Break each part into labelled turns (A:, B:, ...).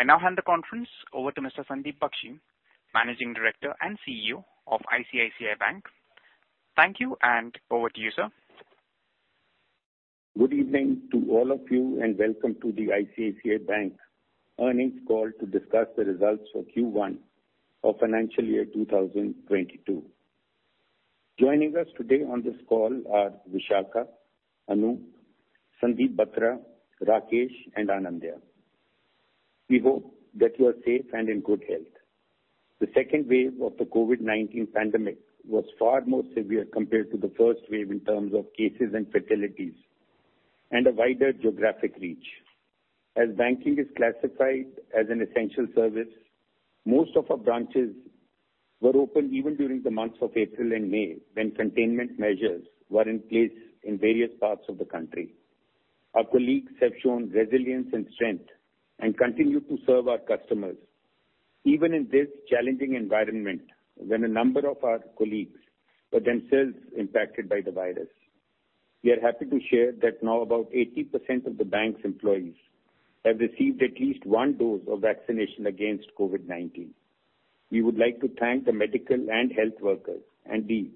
A: I now hand the conference over to Mr. Sandeep Bakhshi, Managing Director and CEO of ICICI Bank. Thank you, and over to you, sir.
B: Good evening to all of you, and welcome to the ICICI Bank earnings call to discuss the results for Q1 of financial year 2022. Joining us today on this call are Vishakha, Anup, Sandeep Batra, Rakesh, and Anindya. We hope that you are safe and in good health. The second wave of the COVID-19 pandemic was far more severe compared to the first wave in terms of cases and fatalities and a wider geographic reach. Banking is classified as an essential service, most of our branches were open even during the months of April and May, when containment measures were in place in various parts of the country. Our colleagues have shown resilience and strength and continue to serve our customers even in this challenging environment, when a number of our colleagues were themselves impacted by the virus. We are happy to share that now about 80% of the bank's employees have received at least one dose of vaccination against COVID-19. We would like to thank the medical and health workers and the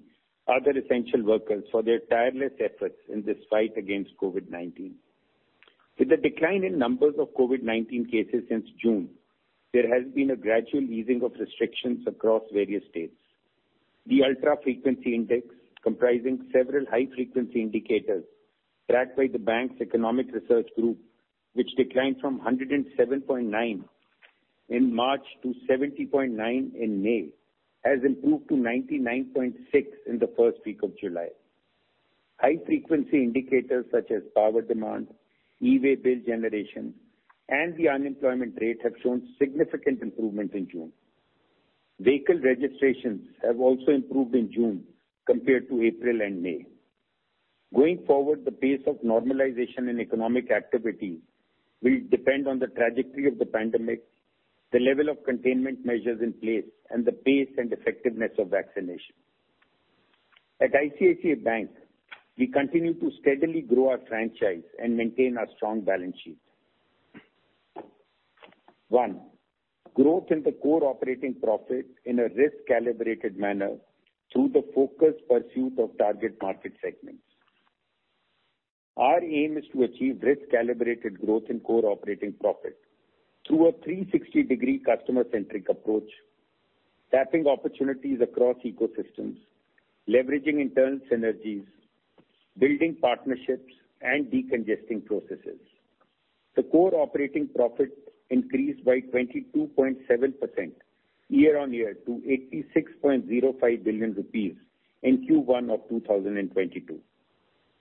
B: other essential workers for their tireless efforts in this fight against COVID-19. With the decline in numbers of COVID-19 cases since June, there has been a gradual easing of restrictions across various states. The ultra frequency index, comprising several high-frequency indicators tracked by the bank's economic research group, which declined from 107.9 in March to 70.9 in May, has improved to 99.6 in the first week of July. High-frequency indicators such as power demand, e-way bill generation, and the unemployment rate have shown significant improvement in June. Vehicle registrations have also improved in June compared to April and May. Going forward, the pace of normalization in economic activity will depend on the trajectory of the pandemic, the level of containment measures in place, and the pace and effectiveness of vaccination. At ICICI Bank, we continue to steadily grow our franchise and maintain our strong balance sheet. One, growth in the core operating profit in a risk-calibrated manner through the focused pursuit of target market segments. Our aim is to achieve risk-calibrated growth in core operating profit through a 360-degree customer-centric approach, tapping opportunities across ecosystems, leveraging internal synergies, building partnerships, and decongesting processes. The core operating profit increased by 22.7% year-on-year to 86.05 billion rupees in Q1 of 2022.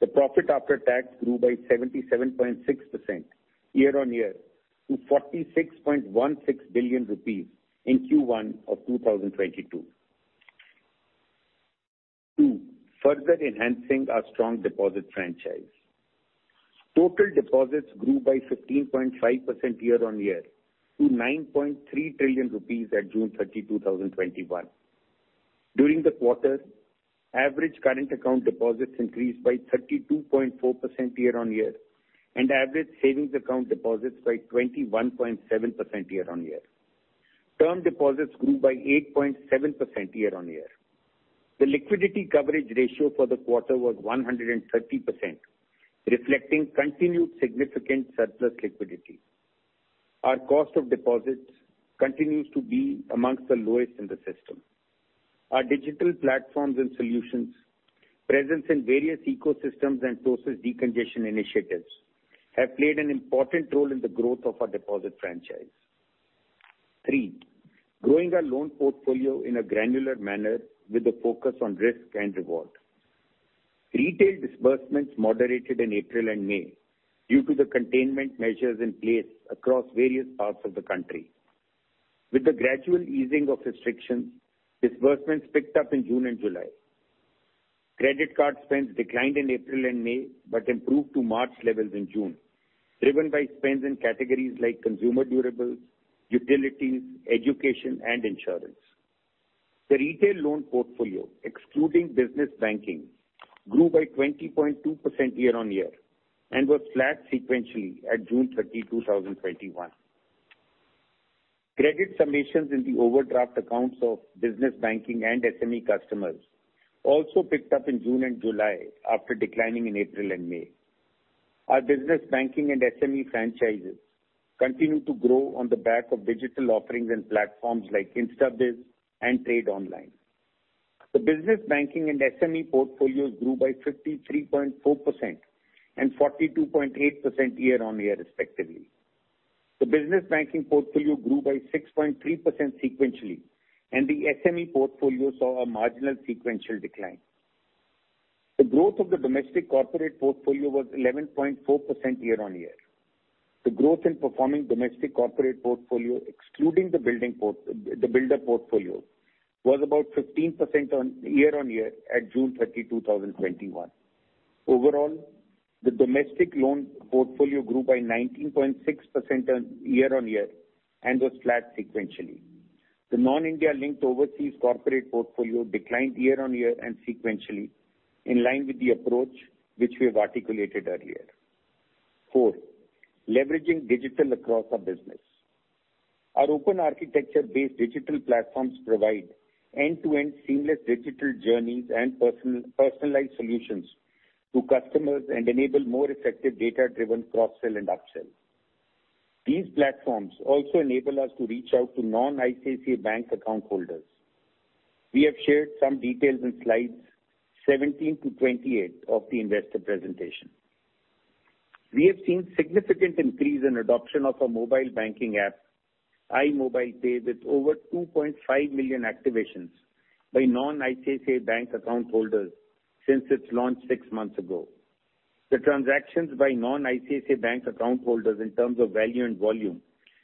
B: The profit after tax grew by 77.6% year-on-year to 46.16 billion rupees in Q1 of 2022. Two, further enhancing our strong deposit franchise. Total deposits grew by 15.5% year-on-year to 9.3 trillion rupees at June 30, 2021. During the quarter, average current account deposits increased by 32.4% year-on-year and average savings account deposits by 21.7% year-on-year. Term deposits grew by 8.7% year-on-year. The liquidity coverage ratio for the quarter was 130%, reflecting continued significant surplus liquidity. Our cost of deposits continues to be among the lowest in the system. Our digital platforms and solutions, presence in various ecosystems and process decongestion initiatives have played an important role in the growth of our deposit franchise. Three, growing our loan portfolio in a granular manner with a focus on risk and reward. Retail disbursements moderated in April and May due to the containment measures in place across various parts of the country. With the gradual easing of restrictions, disbursements picked up in June and July. Credit card spends declined in April and May but improved to March levels in June, driven by spends in categories like consumer durables, utilities, education, and insurance. The retail loan portfolio, excluding Business Banking, grew by 20.2% year-on-year and was flat sequentially at June 30, 2021. Credit summations in the overdraft accounts of Business Banking and SME customers also picked up in June and July after declining in April and May. Our Business Banking and SME franchises continue to grow on the back of digital offerings and platforms like InstaBIZ and Trade Online. The Business Banking and SME portfolios grew by 53.4% and 42.8% year-on-year respectively. The Business Banking portfolio grew by 6.3% sequentially, and the SME portfolio saw a marginal sequential decline. The growth of the domestic corporate portfolio was 11.4% year-on-year. The growth in performing domestic corporate portfolio, excluding the builder portfolio, was about 15% year-over-year at June 30, 2021. Overall, the domestic loan portfolio grew by 19.6% year-over-year and was flat sequentially. The non-India linked overseas corporate portfolio declined year-over-year and sequentially in line with the approach which we have articulated earlier. Four, leveraging digital across our business. Our open architecture-based digital platforms provide end-to-end seamless digital journeys and personalized solutions to customers and enable more effective data-driven cross-sell and upsell. These platforms also enable us to reach out to non-ICICI Bank account holders. We have shared some details in slides 17-28 of the investor presentation. We have seen significant increase in adoption of our mobile banking app, iMobile Pay, with over 2.5 million activations by non-ICICI Bank account holders since its launch six months ago. The transactions by non-ICICI Bank account holders in terms of value and volume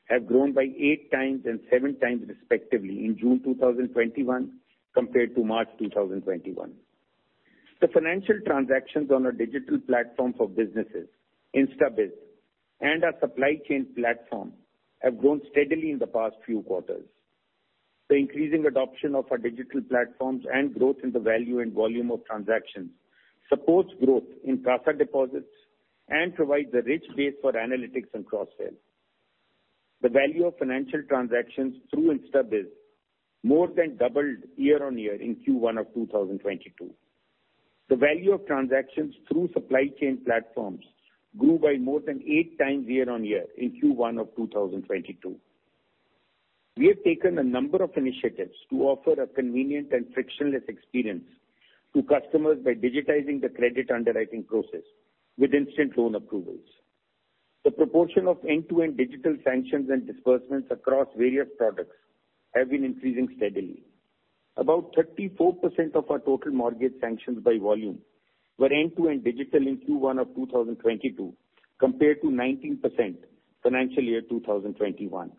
B: have grown by eight times and seven times respectively in June 2021 compared to March 2021. The financial transactions on our digital platform for businesses, InstaBIZ, and our supply chain platform have grown steadily in the past few quarters. The increasing adoption of our digital platforms and growth in the value and volume of transactions supports growth in CASA deposits and provides a rich base for analytics and cross-sell. The value of financial transactions through InstaBIZ more than doubled year-on-year in Q1 of 2022. The value of transactions through supply chain platforms grew by more than eight times year-on-year in Q1 of 2022. We have taken a number of initiatives to offer a convenient and frictionless experience to customers by digitizing the credit underwriting process with instant loan approvals. The proportion of end-to-end digital sanctions and disbursements across various products have been increasing steadily. About 34% of our total mortgage sanctions by volume were end-to-end digital in Q1 of 2022 compared to 19% financial year 2021.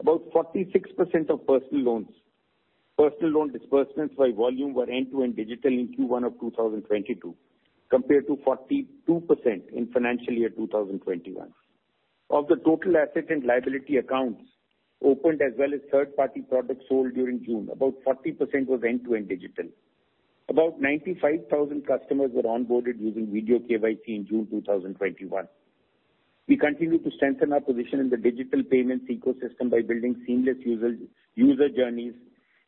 B: About 46% of personal loan disbursements by volume were end-to-end digital in Q1 of 2022 compared to 42% in financial year 2021. Of the total asset and liability accounts opened, as well as third-party products sold during June, about 40% was end-to-end digital. About 95,000 customers were onboarded using video KYC in June 2021. We continue to strengthen our position in the digital payments ecosystem by building seamless user journeys,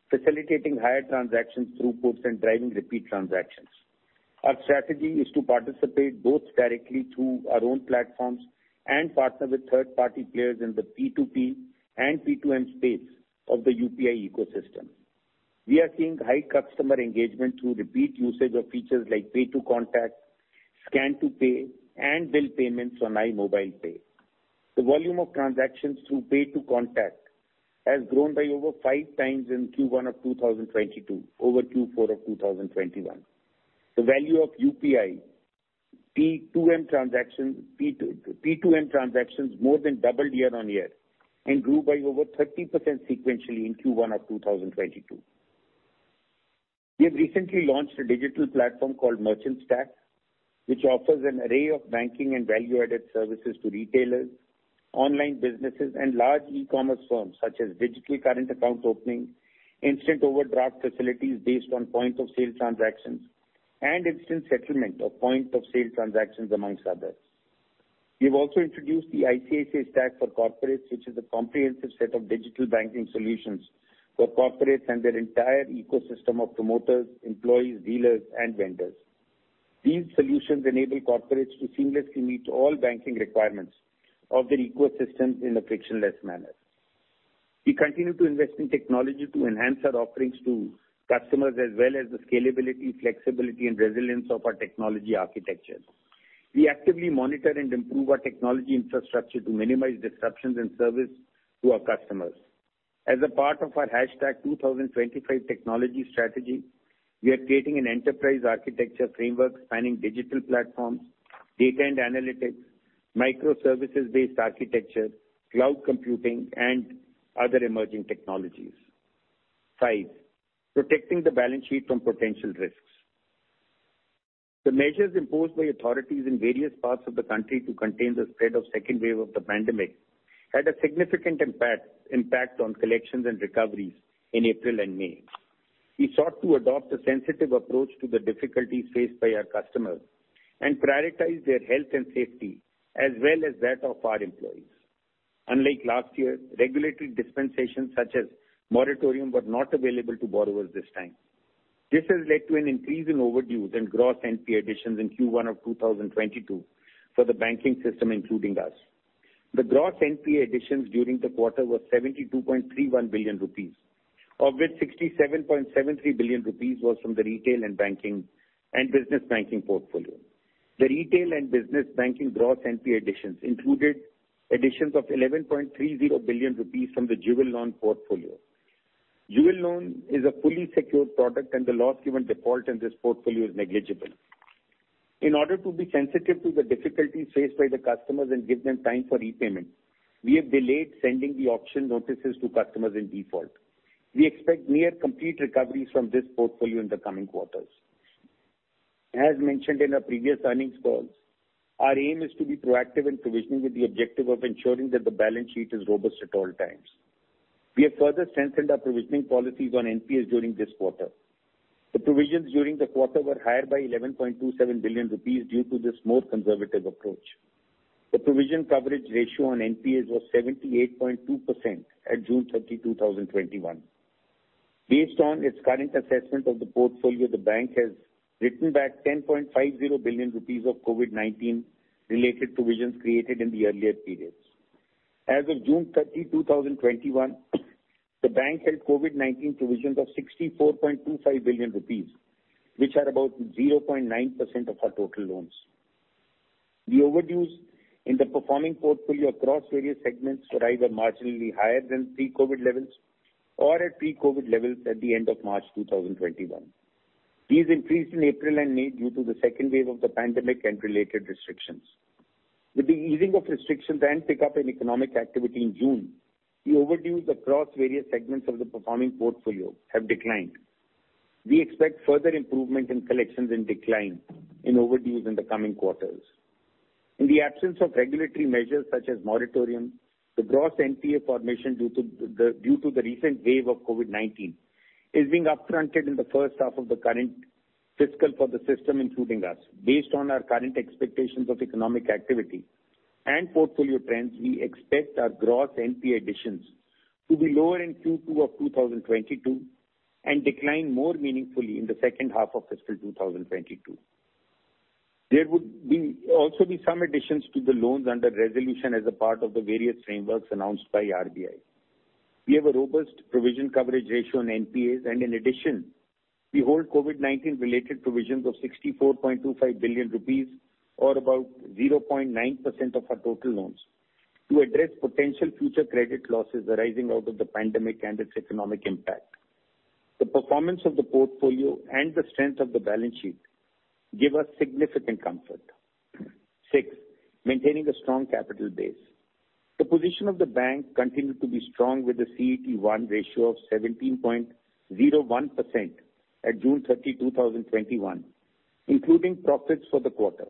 B: facilitating higher transactions through-puts, and driving repeat transactions. Our strategy is to participate both directly through our own platforms and partner with third-party players in the P2P and P2M space of the UPI ecosystem. We are seeing high customer engagement through repeat usage of features like pay-to-contact, scan-to-pay, and bill payments on iMobile Pay. The volume of transactions through pay-to-contact has grown by over five times in Q1 of 2022 over Q4 of 2021. The value of UPI P2M transactions more than doubled year-on-year and grew by over 30% sequentially in Q1 of 2022. We have recently launched a digital platform called Merchant Stack, which offers an array of banking and value-added services to retailers, online businesses, and large e-commerce firms, such as digital current accounts opening, instant overdraft facilities based on point of sale transactions, and instant settlement of point of sale transactions, amongst others. We have also introduced the ICICI Stack for Corporates, which is a comprehensive set of digital banking solutions for corporates and their entire ecosystem of promoters, employees, dealers, and vendors. These solutions enable corporates to seamlessly meet all banking requirements of their ecosystems in a frictionless manner. We continue to invest in technology to enhance our offerings to customers, as well as the scalability, flexibility, and resilience of our technology architecture. We actively monitor and improve our technology infrastructure to minimize disruptions in service to our customers. As a part of our #2025 Technology Strategy, we are creating an enterprise architecture framework spanning digital platforms, data and analytics, microservices-based architecture, cloud computing, and other emerging technologies. Five, protecting the balance sheet from potential risks. The measures imposed by authorities in various parts of the country to contain the spread of second wave of the pandemic had a significant impact on collections and recoveries in April and May. We sought to adopt a sensitive approach to the difficulties faced by our customers and prioritize their health and safety as well as that of our employees. Unlike last year, regulatory dispensations such as moratorium were not available to borrowers this time. This has led to an increase in overdues and gross NPA additions in Q1 of 2022 for the banking system, including us. The gross NPA additions during the quarter were 72.31 billion rupees, of which 67.73 billion rupees was from the retail and business banking portfolio. The retail and business banking gross NPA additions included additions of 11.30 billion rupees from the jewel loan portfolio. Jewel loan is a fully secured product, and the loss given default in this portfolio is negligible. In order to be sensitive to the difficulties faced by the customers and give them time for repayment, we have delayed sending the auction notices to customers in default. We expect near complete recoveries from this portfolio in the coming quarters. As mentioned in our previous earnings calls, our aim is to be proactive in provisioning with the objective of ensuring that the balance sheet is robust at all times. We have further strengthened our provisioning policies on NPAs during this quarter. The provisions during the quarter were higher by 11.27 billion rupees due to this more conservative approach. The provision coverage ratio on NPAs was 78.2% at June 30, 2021. Based on its current assessment of the portfolio, the bank has written back 10.50 billion rupees of COVID-19 related provisions created in the earlier periods. As of June 30, 2021, the bank held COVID-19 provisions of 64.25 billion rupees, which are about 0.9% of our total loans. The overdues in the performing portfolio across various segments were either marginally higher than pre-COVID levels or at pre-COVID levels at the end of March 2021. These increased in April and May due to the second wave of the pandemic and related restrictions. With the easing of restrictions and pick up in economic activity in June, the overdues across various segments of the performing portfolio have declined. We expect further improvement in collections and decline in overdues in the coming quarters. In the absence of regulatory measures such as moratorium, the gross NPA formation due to the recent wave of COVID-19 is being up-fronted in the first half of the current fiscal for the system, including us. Based on our current expectations of economic activity and portfolio trends, we expect our gross NPA additions to be lower in Q2 of 2022 and decline more meaningfully in the second half of fiscal 2022. There would also be some additions to the loans under resolution as a part of the various frameworks announced by RBI. We have a robust provision coverage ratio on NPAs, and in addition, we hold COVID-19 related provisions of 64.25 billion rupees or about 0.9% of our total loans to address potential future credit losses arising out of the pandemic and its economic impact. The performance of the portfolio and the strength of the balance sheet give us significant comfort. Six, maintaining a strong capital base. The position of the bank continued to be strong with a CET1 ratio of 17.01% at June 30, 2021, including profits for the quarter.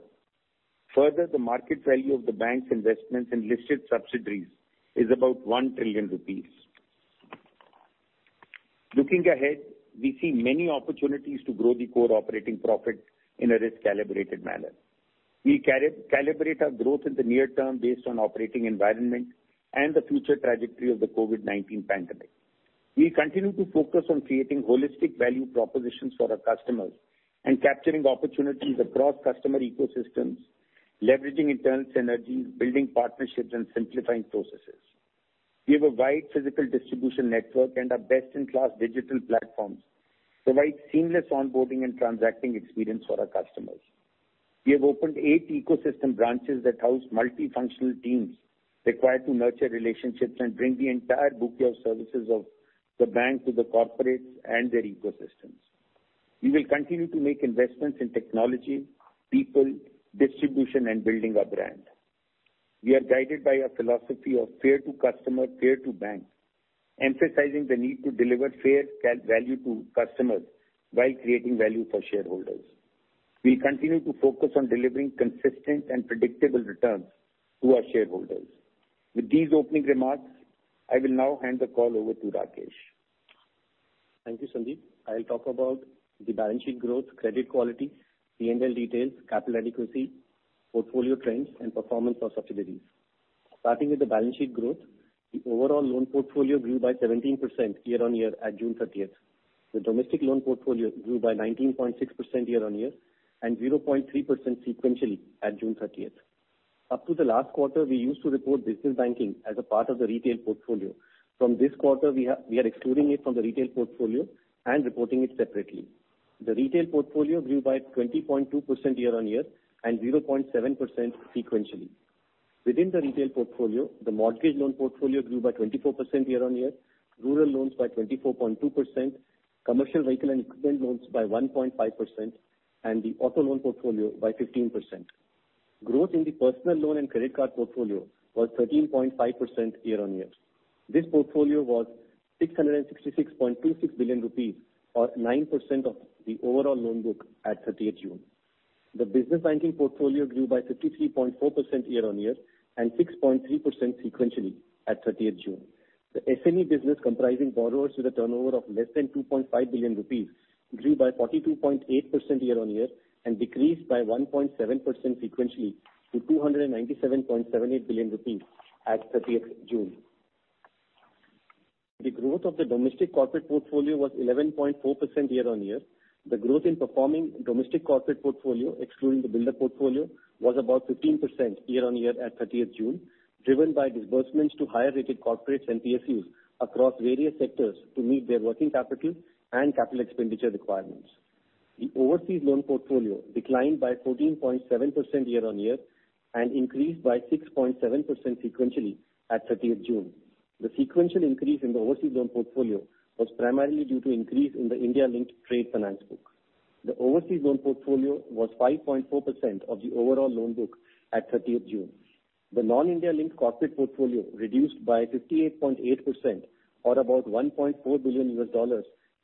B: Further, the market value of the bank's investments in listed subsidiaries is about 1 trillion rupees. Looking ahead, we see many opportunities to grow the core operating profit in a risk-calibrated manner. We calibrate our growth in the near term based on operating environment and the future trajectory of the COVID-19 pandemic. We continue to focus on creating holistic value propositions for our customers and capturing opportunities across customer ecosystems, leveraging internal synergies, building partnerships, and simplifying processes. We have a wide physical distribution network and our best-in-class digital platforms provide seamless onboarding and transacting experience for our customers. We have opened eight ecosystem branches that house multifunctional teams required to nurture relationships and bring the entire bouquet of services of the bank to the corporates and their ecosystems. We will continue to make investments in technology, people, distribution, and building our brand. We are guided by a philosophy of fair to customer, fair to bank, emphasizing the need to deliver fair value to customers while creating value for shareholders. We will continue to focus on delivering consistent and predictable returns to our shareholders. With these opening remarks, I will now hand the call over to Rakesh.
C: Thank you, Sandeep. I'll talk about the balance sheet growth, credit quality, PNL details, capital adequacy, portfolio trends, and performance of subsidiaries. Starting with the balance sheet growth, the overall loan portfolio grew by 17% year-on-year at June 30th. The domestic loan portfolio grew by 19.6% year-on-year and 0.3% sequentially at June 30th. Up to the last quarter, we used to report business banking as a part of the retail portfolio. From this quarter, we are excluding it from the retail portfolio and reporting it separately. The retail portfolio grew by 20.2% year-on-year and 0.7% sequentially. Within the retail portfolio, the mortgage loan portfolio grew by 24% year-on-year, rural loans by 24.2%, commercial vehicle and equipment loans by 1.5%, and the auto loan portfolio by 15%. Growth in the personal loan and credit card portfolio was 13.5% year-on-year. This portfolio was 666.26 billion rupees, or 9% of the overall loan book at 30th June. The Business Banking portfolio grew by 53.4% year-on-year and 6.3% sequentially at 30th June. The SME business comprising borrowers with a turnover of less than 2.5 billion rupees grew by 42.8% year-on-year and decreased by 1.7% sequentially to 297.78 billion rupees at 30th June. The growth of the domestic corporate portfolio was 11.4% year-on-year. The growth in performing domestic corporate portfolio, excluding the builder portfolio, was about 15% year-on-year at 30th June, driven by disbursements to higher-rated corporates and PSUs across various sectors to meet their working capital and capital expenditure requirements. The overseas loan portfolio declined by 14.7% year-on-year and increased by 6.7% sequentially at 30th June. The sequential increase in the overseas loan portfolio was primarily due to increase in the India-linked trade finance book. The overseas loan portfolio was 5.4% of the overall loan book at 30th June. The non-India linked corporate portfolio reduced by 58.8%, or about $1.4 billion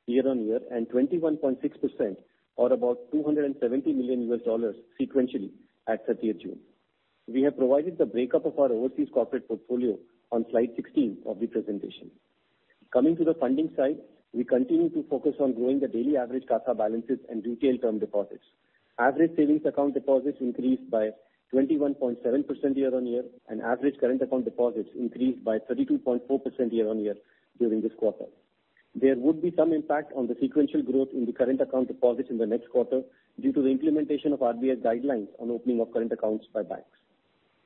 C: year-on-year, and 21.6%, or about $270 million sequentially at 30th June. We have provided the breakup of our overseas corporate portfolio on slide 16 of the presentation. Coming to the funding side, we continue to focus on growing the daily average CASA balances and retail term deposits. Average savings account deposits increased by 21.7% year-on-year and average current account deposits increased by 32.4% year-on-year during this quarter. There would be some impact on the sequential growth in the current account deposits in the next quarter due to the implementation of RBI guidelines on opening of current accounts by banks.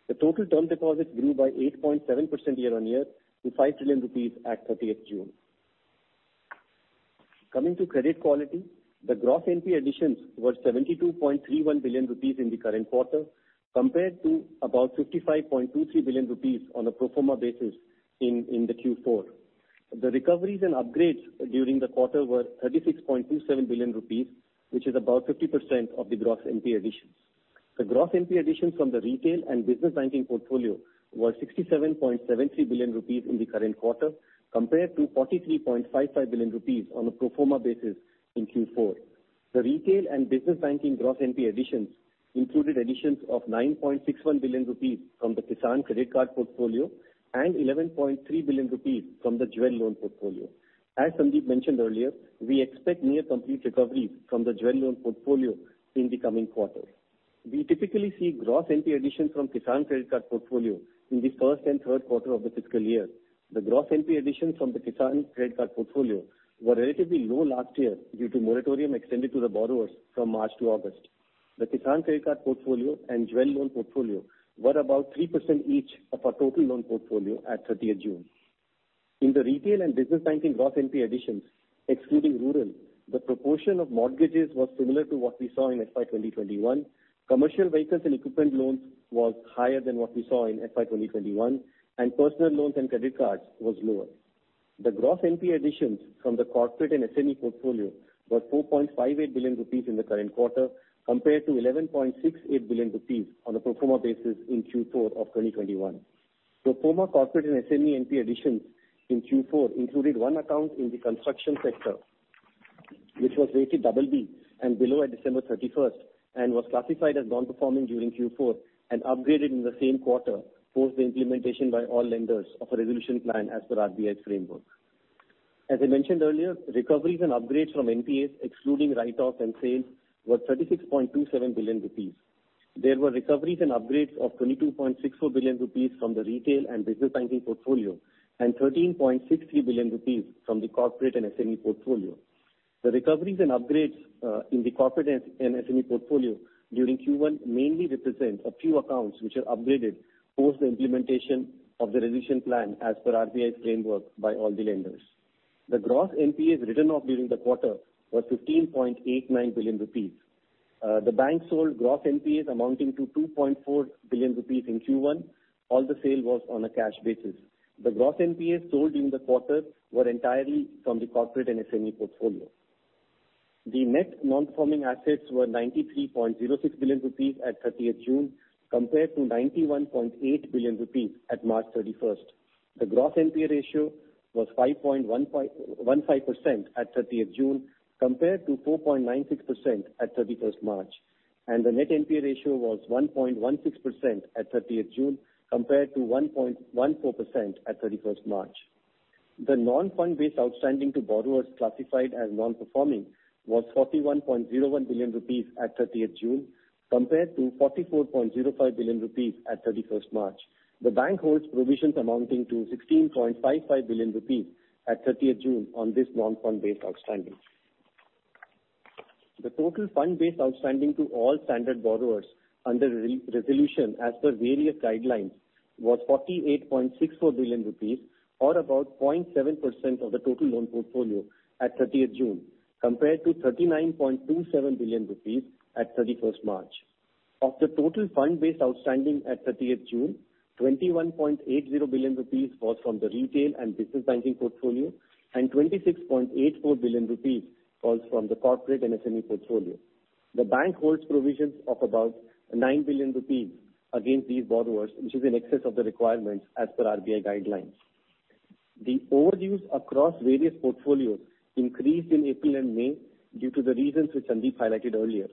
C: The total term deposits grew by 8.7% year-on-year to 5 trillion rupees at 30th June. Coming to credit quality, the gross NP additions were 72.31 billion rupees in the current quarter, compared to about 55.23 billion rupees on a pro forma basis in the Q4. The recoveries and upgrades during the quarter were 36.27 billion rupees, which is about 50% of the gross NP additions. The gross NP additions from the retail and business banking portfolio were 67.73 billion rupees in the current quarter, compared to 43.55 billion rupees on a pro forma basis in Q4. The retail and business banking gross NP additions included additions of 9.61 billion rupees from the Kisan Credit Card portfolio and 11.3 billion rupees from the jewel loan portfolio. As Sandeep mentioned earlier, we expect near complete recovery from the jewel loan portfolio in the coming quarters. We typically see gross NP additions from Kisan Credit Card portfolio in the first and third quarter of the fiscal year. The gross NP additions from the Kisan Credit Card portfolio were relatively low last year due to moratorium extended to the borrowers from March to August. The Kisan Credit Card portfolio and jewel loan portfolio were about 3% each of our total loan portfolio at 30th June. In the retail and business banking gross NP additions, excluding rural, the proportion of mortgages was similar to what we saw in FY 2021. Commercial vehicles and equipment loans was higher than what we saw in FY 2021, and personal loans and credit cards was lower. The gross NP additions from the corporate and SME portfolio were 4.58 billion rupees in the current quarter, compared to 11.68 billion rupees on a pro forma basis in Q4 of 2021. Pro forma corporate and SME NP additions in Q4 included one account in the construction sector, which was rated BB and below at December 31st and was classified as non-performing during Q4 and upgraded in the same quarter post the implementation by all lenders of a resolution plan as per RBI's framework. As I mentioned earlier, recoveries and upgrades from NPAs, excluding write-offs and sales, were 36.27 billion rupees. There were recoveries and upgrades of 22.64 billion rupees from the retail and business banking portfolio and 13.63 billion rupees from the corporate and SME portfolio. The recoveries and upgrades in the corporate and SME portfolio during Q1 mainly represent a few accounts which are upgraded post the implementation of the resolution plan as per RBI's framework by all the lenders. The gross NPAs written off during the quarter was 15.89 billion rupees. The bank sold gross NPAs amounting to 2.4 billion rupees in Q1. All the sale was on a cash basis. The gross NPAs sold in the quarter were entirely from the corporate and SME portfolio. The net non-performing assets were 93.06 billion rupees at 30th June compared to 91.8 billion rupees at March 31st. The gross NPA ratio was 5.15% at 30th June compared to 4.96% at 31st March, and the net NPA ratio was 1.16% at 30th June compared to 1.14% at 31st March. The non-fund based outstanding to borrowers classified as non-performing was 41.01 billion rupees at 30th June compared to 44.05 billion rupees at 31st March. The bank holds provisions amounting to 16.55 billion rupees at 30th June on this non-fund based outstanding. The total fund-based outstanding to all standard borrowers under resolution as per various guidelines was 48.64 billion rupees or about 0.7% of the total loan portfolio at 30th June compared to 39.27 billion rupees at 31st March. Of the total fund-based outstanding at 30th June, 21.80 billion rupees was from the retail and business banking portfolio and 26.84 billion rupees was from the corporate and SME portfolio. The bank holds provisions of about 9 billion rupees against these borrowers, which is in excess of the requirements as per RBI guidelines. The overdues across various portfolios increased in April and May due to the reasons which Sandeep highlighted earlier.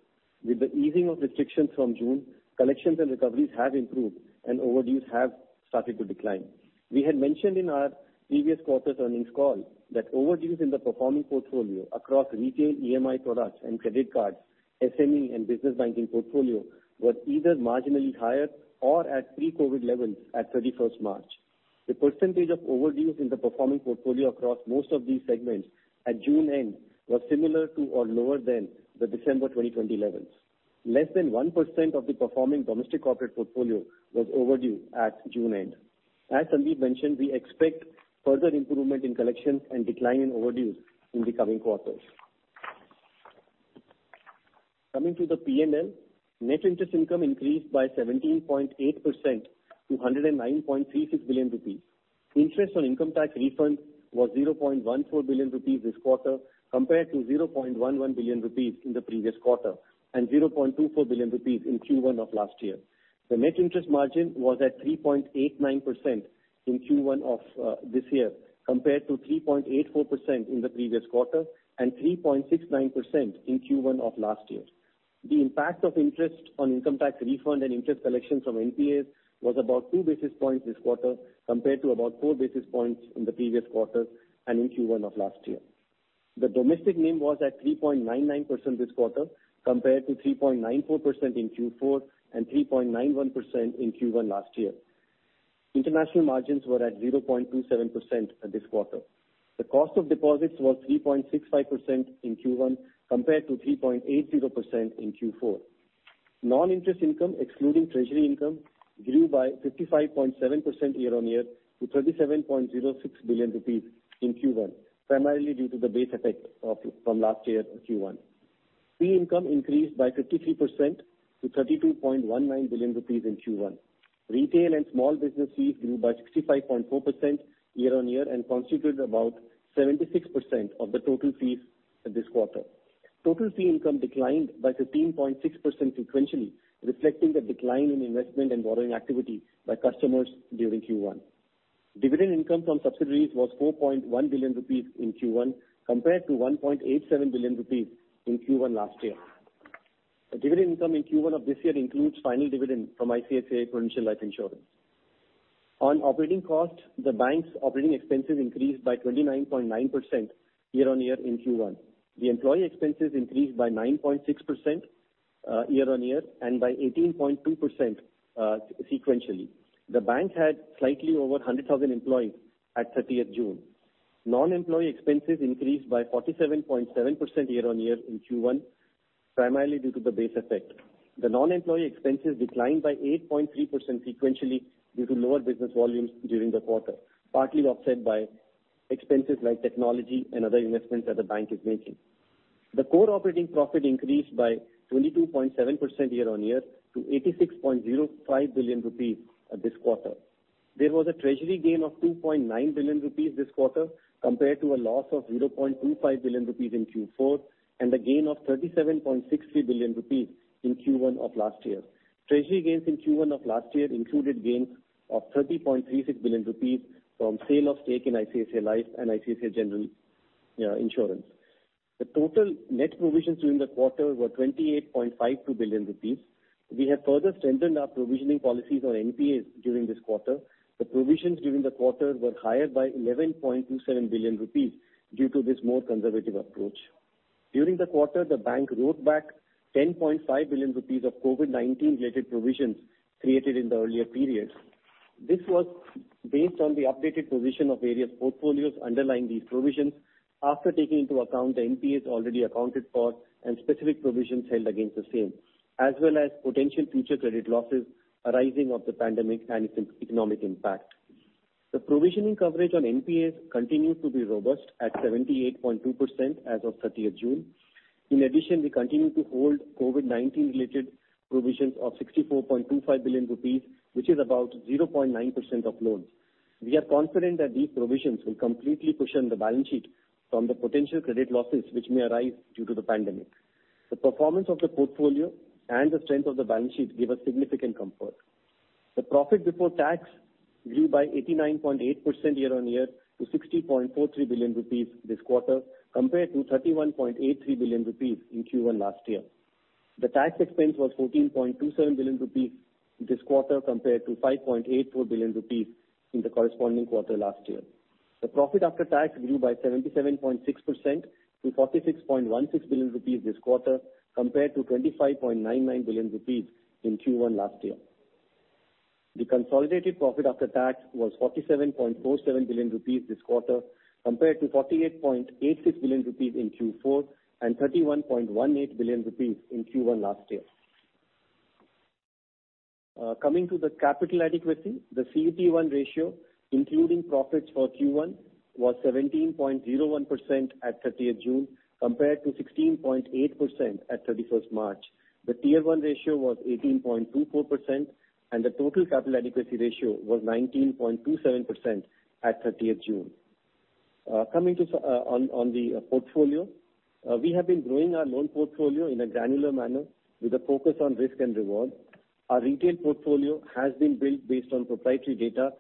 C: With the easing of restrictions from June, collections and recoveries have improved and overdues have started to decline. We had mentioned in our previous quarter's earnings call that overdues in the performing portfolio across retail, EMI products and credit cards, SME and business banking portfolio were either marginally higher or at pre-COVID levels at 31st March. The percentage of overdues in the performing portfolio across most of these segments at June end was similar to or lower than the December 2020 levels. Less than 1% of the performing domestic corporate portfolio was overdue at June end. As Sandeep mentioned, we expect further improvement in collections and decline in overdues in the coming quarters. Coming to the P&L, net interest income increased by 17.8% to 109.36 billion rupees. Interest on income tax refund was 0.14 billion rupees this quarter, compared to 0.11 billion rupees in the previous quarter and 0.24 billion rupees in Q1 of last year. The net interest margin was at 3.89% in Q1 of this year, compared to 3.84% in the previous quarter and 3.69% in Q1 of last year. The impact of interest on income tax refund and interest collection from NPAs was about 2 basis points this quarter, compared to about 4 basis points in the previous quarter and in Q1 of last year. The domestic NIM was at 3.99% this quarter, compared to 3.94% in Q4 and 3.91% in Q1 last year. International margins were at 0.27% this quarter. The cost of deposits was 3.65% in Q1, compared to 3.80% in Q4. Non-interest income, excluding treasury income, grew by 55.7% year-on-year to 37.06 billion rupees in Q1, primarily due to the base effect from last year Q1. Fee income increased by 53% to 32.19 billion rupees in Q1. Retail and small businesses grew by 65.4% year-on-year and constituted about 76% of the total fees this quarter. Total fee income declined by 15.6% sequentially, reflecting the decline in investment and borrowing activity by customers during Q1. Dividend income from subsidiaries was 4.1 billion rupees in Q1, compared to 1.87 billion rupees in Q1 last year. Dividend income in Q1 of this year includes final dividend from ICICI Prudential Life Insurance. On operating cost, the bank's operating expenses increased by 29.9% year-on-year in Q1. The employee expenses increased by 9.6% year-on-year and by 18.2% sequentially. The bank had slightly over 100,000 employees at 30th June. Non-employee expenses increased by 47.7% year-on-year in Q1, primarily due to the base effect. The non-employee expenses declined by 8.3% sequentially due to lower business volumes during the quarter, partly offset by expenses like technology and other investments that the bank is making. The core operating profit increased by 22.7% year-on-year to 86.05 billion rupees this quarter. There was a treasury gain of 2.9 billion rupees this quarter, compared to a loss of 0.25 billion rupees in Q4 and a gain of 37.63 billion rupees in Q1 of last year. Treasury gains in Q1 of last year included gains of 30.36 billion rupees from sale of stake in ICICI Life and ICICI General Insurance. The total net provisions during the quarter were 28.52 billion rupees. We have further strengthened our provisioning policies on NPAs during this quarter. The provisions during the quarter were higher by 11.27 billion rupees due to this more conservative approach. During the quarter, the bank wrote back 10.5 billion rupees of COVID-19 related provisions created in the earlier periods. This was based on the updated provision of various portfolios underlying these provisions after taking into account the NPAs already accounted for and specific provisions held against the same, as well as potential future credit losses arising of the pandemic and its economic impact. The provisioning coverage on NPAs continued to be robust at 78.2% as of 30th June. In addition, we continued to hold COVID-19 related provisions of 64.25 billion rupees, which is about 0.9% of loans. We are confident that these provisions will completely cushion the balance sheet from the potential credit losses which may arise due to the pandemic. The performance of the portfolio and the strength of the balance sheet give us significant comfort. The profit before tax grew by 89.8% year-on-year to 60.43 billion rupees this quarter, compared to 31.83 billion rupees in Q1 last year. The tax expense was 14.27 billion rupees this quarter, compared to 5.84 billion rupees in the corresponding quarter last year. The profit after tax grew by 77.6% to 46.16 billion rupees this quarter, compared to 25.99 billion rupees in Q1 last year. The consolidated profit after tax was 47.47 billion rupees this quarter, compared to 48.86 billion rupees in Q4 and 31.18 billion rupees in Q1 last year. Coming to the capital adequacy, the CET1 ratio, including profits for Q1, was 17.01% at 30th June, compared to 16.8% at 31st March. The Tier 1 ratio was 18.24%, and the total capital adequacy ratio was 19.27% at 30th June. Coming on the portfolio. We have been growing our loan portfolio in a granular manner with a focus on risk and reward. Our retail portfolio has been built based on proprietary data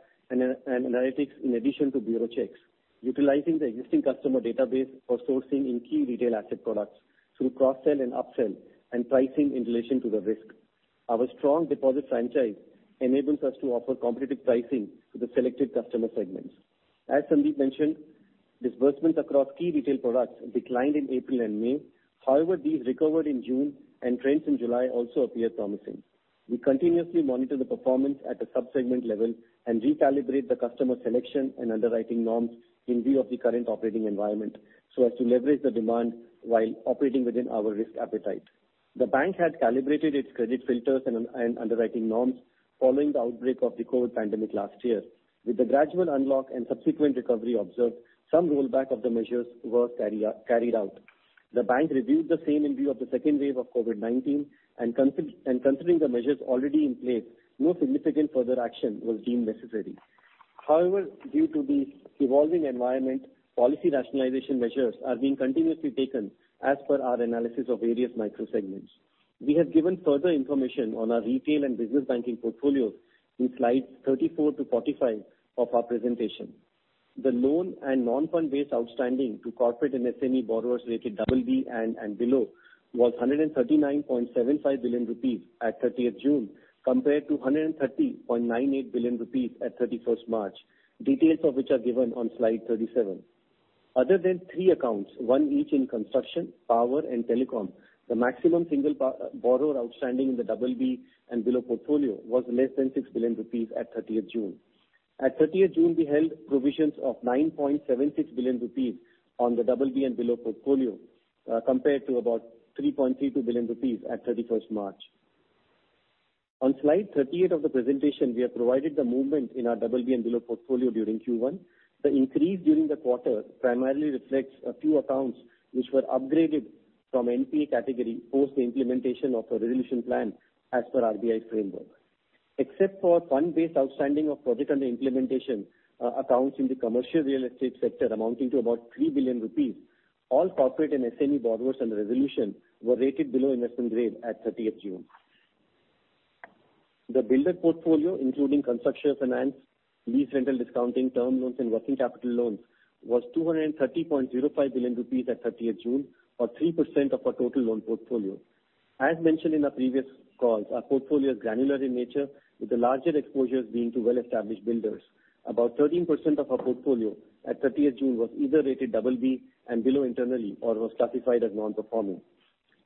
C: and analytics in addition to bureau checks, utilizing the existing customer database for sourcing in key retail asset products through cross-sell and upsell and pricing in relation to the risk. Our strong deposit franchise enables us to offer competitive pricing to the selected customer segments. As Sandeep mentioned, disbursements across key retail products declined in April and May. These recovered in June, and trends in July also appear promising. We continuously monitor the performance at a sub-segment level and recalibrate the customer selection and underwriting norms in view of the current operating environment so as to leverage the demand while operating within our risk appetite. The bank had calibrated its credit filters and underwriting norms following the outbreak of the COVID pandemic last year. With the gradual unlock and subsequent recovery observed, some rollback of the measures were carried out. The bank reviewed the same in view of the second wave of COVID-19 and considering the measures already in place, no significant further action was deemed necessary. Due to the evolving environment, policy rationalization measures are being continuously taken as per our analysis of various micro segments. We have given further information on our retail and business banking portfolio in slides 34-45 of our presentation. The loan and non-fund-based outstanding to corporate and SME borrowers rated BB and below was 139.75 billion rupees at 30th June, compared to 130.98 billion rupees at 31st March. Details of which are given on slide 37. Other than three accounts, one each in construction, power, and telecom, the maximum single borrower outstanding in the BB and below portfolio was less than 6 billion rupees at 30th June. At 30th June, we held provisions of 9.76 billion rupees on the BB and below portfolio, compared to about 3.32 billion rupees at 31st March. On slide 38 of the presentation, we have provided the movement in our BB and below portfolio during Q1. The increase during the quarter primarily reflects a few accounts which were upgraded from NPA category post the implementation of a resolution plan as per RBI's framework. Except for fund-based outstanding of project under implementation accounts in the commercial real estate sector amounting to about 3 billion rupees, all corporate and SME borrowers under resolution were rated below investment grade at 30th June. The builder portfolio, including construction finance, lease rental discounting, term loans, and working capital loans, was 230.05 billion rupees at 30th June or 3% of our total loan portfolio. As mentioned in our previous calls, our portfolio is granular in nature, with the larger exposures being to well-established builders. About 13% of our portfolio at 30th June was either rated BB and below internally or was classified as non-performing.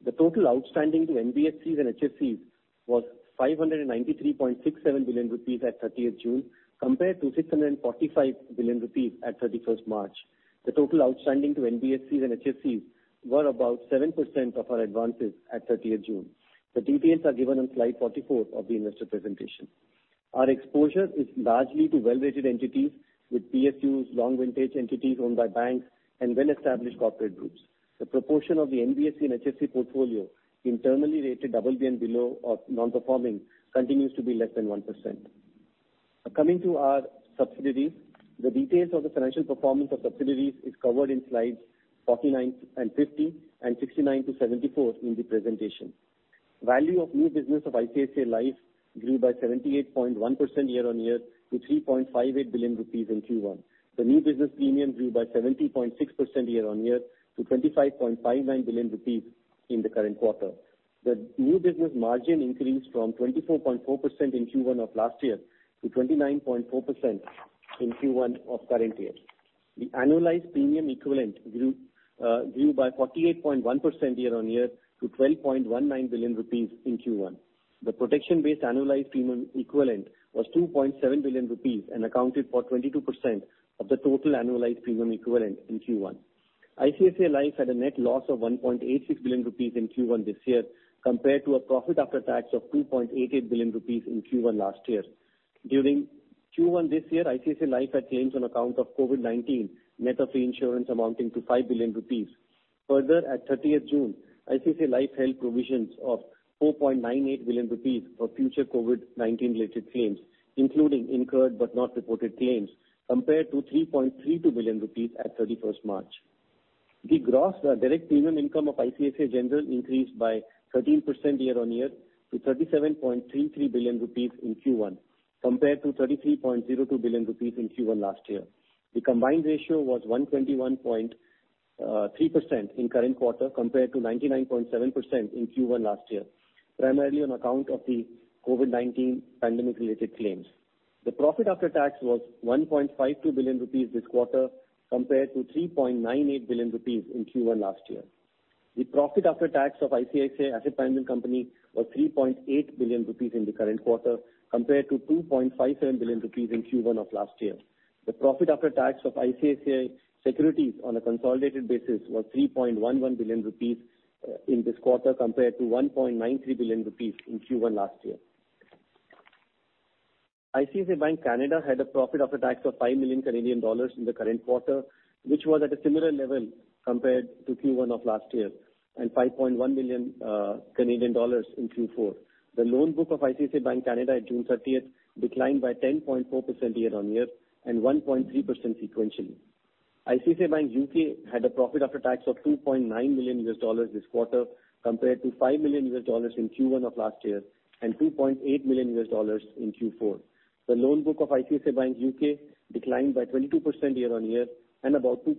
C: The total outstanding to NBFCs and HFCs was 593.67 billion rupees at 30th June compared to 645 billion rupees at 31st March. The total outstanding to NBFCs and HFCs were about 7% of our advances at 30th June. The details are given on slide 44 of the investor presentation. Our exposure is largely to well-rated entities with PSUs, long vintage entities owned by banks, and well-established corporate groups. The proportion of the NBFC and HFC portfolio internally rated double B and below or non-performing, continues to be less than 1%. Coming to our subsidiaries. The details of the financial performance of subsidiaries is covered in slides 49 and 50 and 69-74 in the presentation. Value of new business of ICICI Life grew by 78.1% year-on-year to 3.58 billion rupees in Q1. The new business premium grew by 70.6% year-on-year to 25.59 billion rupees in the current quarter. The new business margin increased from 24.4% in Q1 of last year to 29.4% in Q1 of current year. The annualized premium equivalent grew by 48.1% year-on-year to 12.19 billion rupees in Q1. The protection-based annualized premium equivalent was 2.7 billion rupees and accounted for 22% of the total annualized premium equivalent in Q1. ICICI Life had a net loss of 1.86 billion rupees in Q1 this year compared to a profit after tax of 2.88 billion rupees in Q1 last year. During Q1 this year, ICICI Life had claims on account of COVID-19 net of reinsurance amounting to 5 billion rupees. Further, at 30th June, ICICI Life held provisions of 4.98 billion rupees for future COVID-19 related claims, including incurred but not reported claims, compared to 3.32 billion rupees at 31st March. The gross direct premium income of ICICI General increased by 13% year-on-year to 37.33 billion rupees in Q1 compared to 33.02 billion rupees in Q1 last year. The combined ratio was 121.3% in current quarter compared to 99.7% in Q1 last year, primarily on account of the COVID-19 pandemic related claims. The profit after tax was 1.52 billion rupees this quarter compared to 3.98 billion rupees in Q1 last year. The profit after tax of ICICI Asset Management Company was 3.8 billion rupees in the current quarter compared to 2.57 billion rupees in Q1 of last year. The profit after tax of ICICI Securities on a consolidated basis was 3.11 billion rupees in this quarter compared to 1.93 billion rupees in Q1 last year. ICICI Bank Canada had a profit after tax of 5 million Canadian dollars in the current quarter, which was at a similar level compared to Q1 of last year and 5.1 million Canadian dollars in Q4. The loan book of ICICI Bank Canada at June 30th declined by 10.4% year-on-year and 1.3% sequentially. ICICI Bank U.K. had a profit after tax of $2.9 million this quarter compared to $5 million in Q1 of last year and $2.8 million in Q4. The loan book of ICICI Bank UK declined by 22% year-on-year and about 2%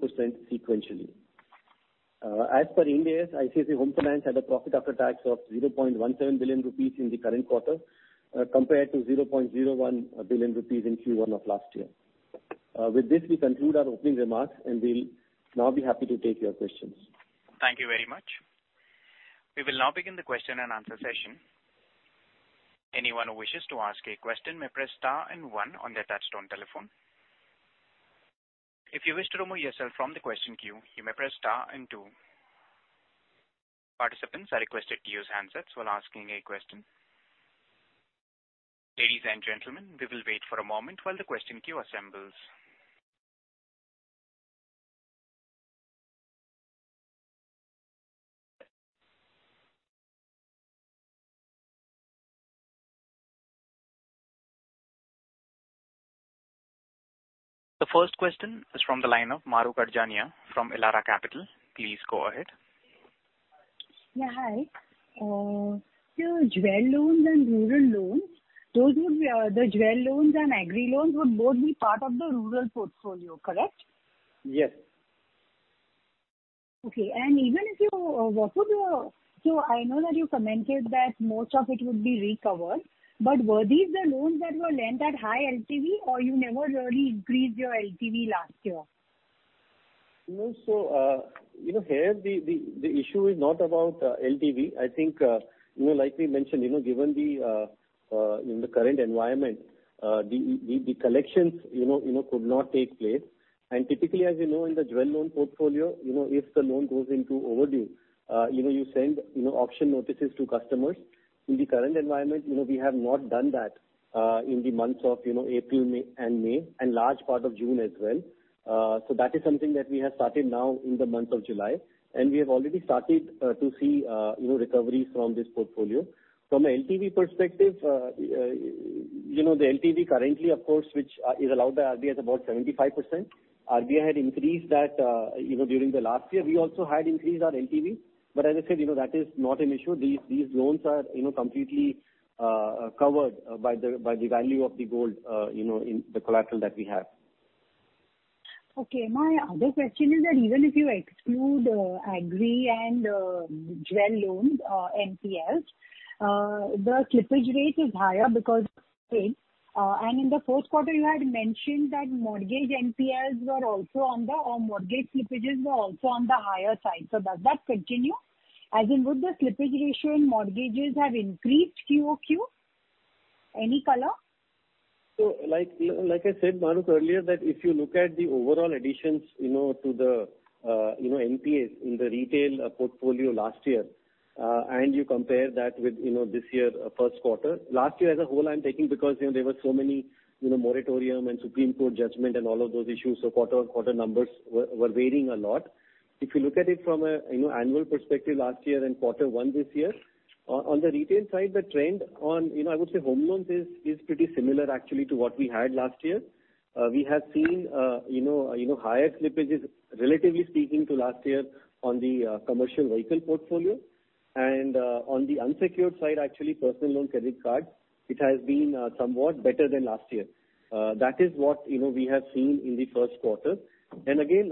C: sequentially. As per India, ICICI Home Finance had a profit after tax of 0.17 billion rupees in the current quarter, compared to 0.01 billion rupees in Q1 of last year. With this, we conclude our opening remarks, and we'll now be happy to take your questions.
A: Thank you very much. We will now begin the question and answer session. Anyone who wishes to ask a question may press star one on their touch-tone telephone. If you wish to remove yourself from the question queue, you may press star two. Participants are requested to use handsets while asking a question. Ladies and gentlemen, we will wait for a moment while the question queue assembles. The first question is from the line of Mahrukh Adajania from Elara Capital. Please go ahead.
D: Yeah. Hi. Your jewel loans and rural loans, the jewel loans and agri loans would both be part of the rural portfolio, correct?
C: Yes.
D: Okay. I know that you commented that most of it would be recovered, were these the loans that were lent at high LTV, or you never really increased your LTV last year?
C: Here the issue is not about LTV. I think, like we mentioned, given the current environment, the collections could not take place and typically, as you know, in the jewel loan portfolio, if the loan goes into overdue, you send auction notices to customers. In the current environment, we have not done that in the months of April and May, and large part of June as well. That is something that we have started now in the month of July. We have already started to see recoveries from this portfolio. From a LTV perspective, the LTV currently, of course, which is allowed by RBI, is about 75%. RBI had increased that during the last year. We also had increased our LTV. As I said, that is not an issue. These loans are completely covered by the value of the gold in the collateral that we have.
D: Okay. My other question is that even if you exclude agri and jewel loans, NPLs, the slippage rate is higher. In the fourth quarter, you had mentioned that mortgage slippages were also on the higher side. Does that continue? As in, would the slippage ratio in mortgages have increased QOQ? Any color?
C: Like I said, Mahrukh, earlier that if you look at the overall additions to the NPAs in the retail portfolio last year, and you compare that with this year, first quarter. Last year as a whole, I'm taking because there were so many moratorium and Supreme Court judgment and all of those issues, so quarter-on-quarter numbers were varying a lot. If you look at it from annual perspective last year and quarter one this year, on the retail side, the trend on, I would say home loans is pretty similar actually to what we had last year. We have seen higher slippages relatively speaking to last year on the commercial vehicle portfolio. On the unsecured side, actually, personal loan credit card, it has been somewhat better than last year. That is what we have seen in the first quarter. Again,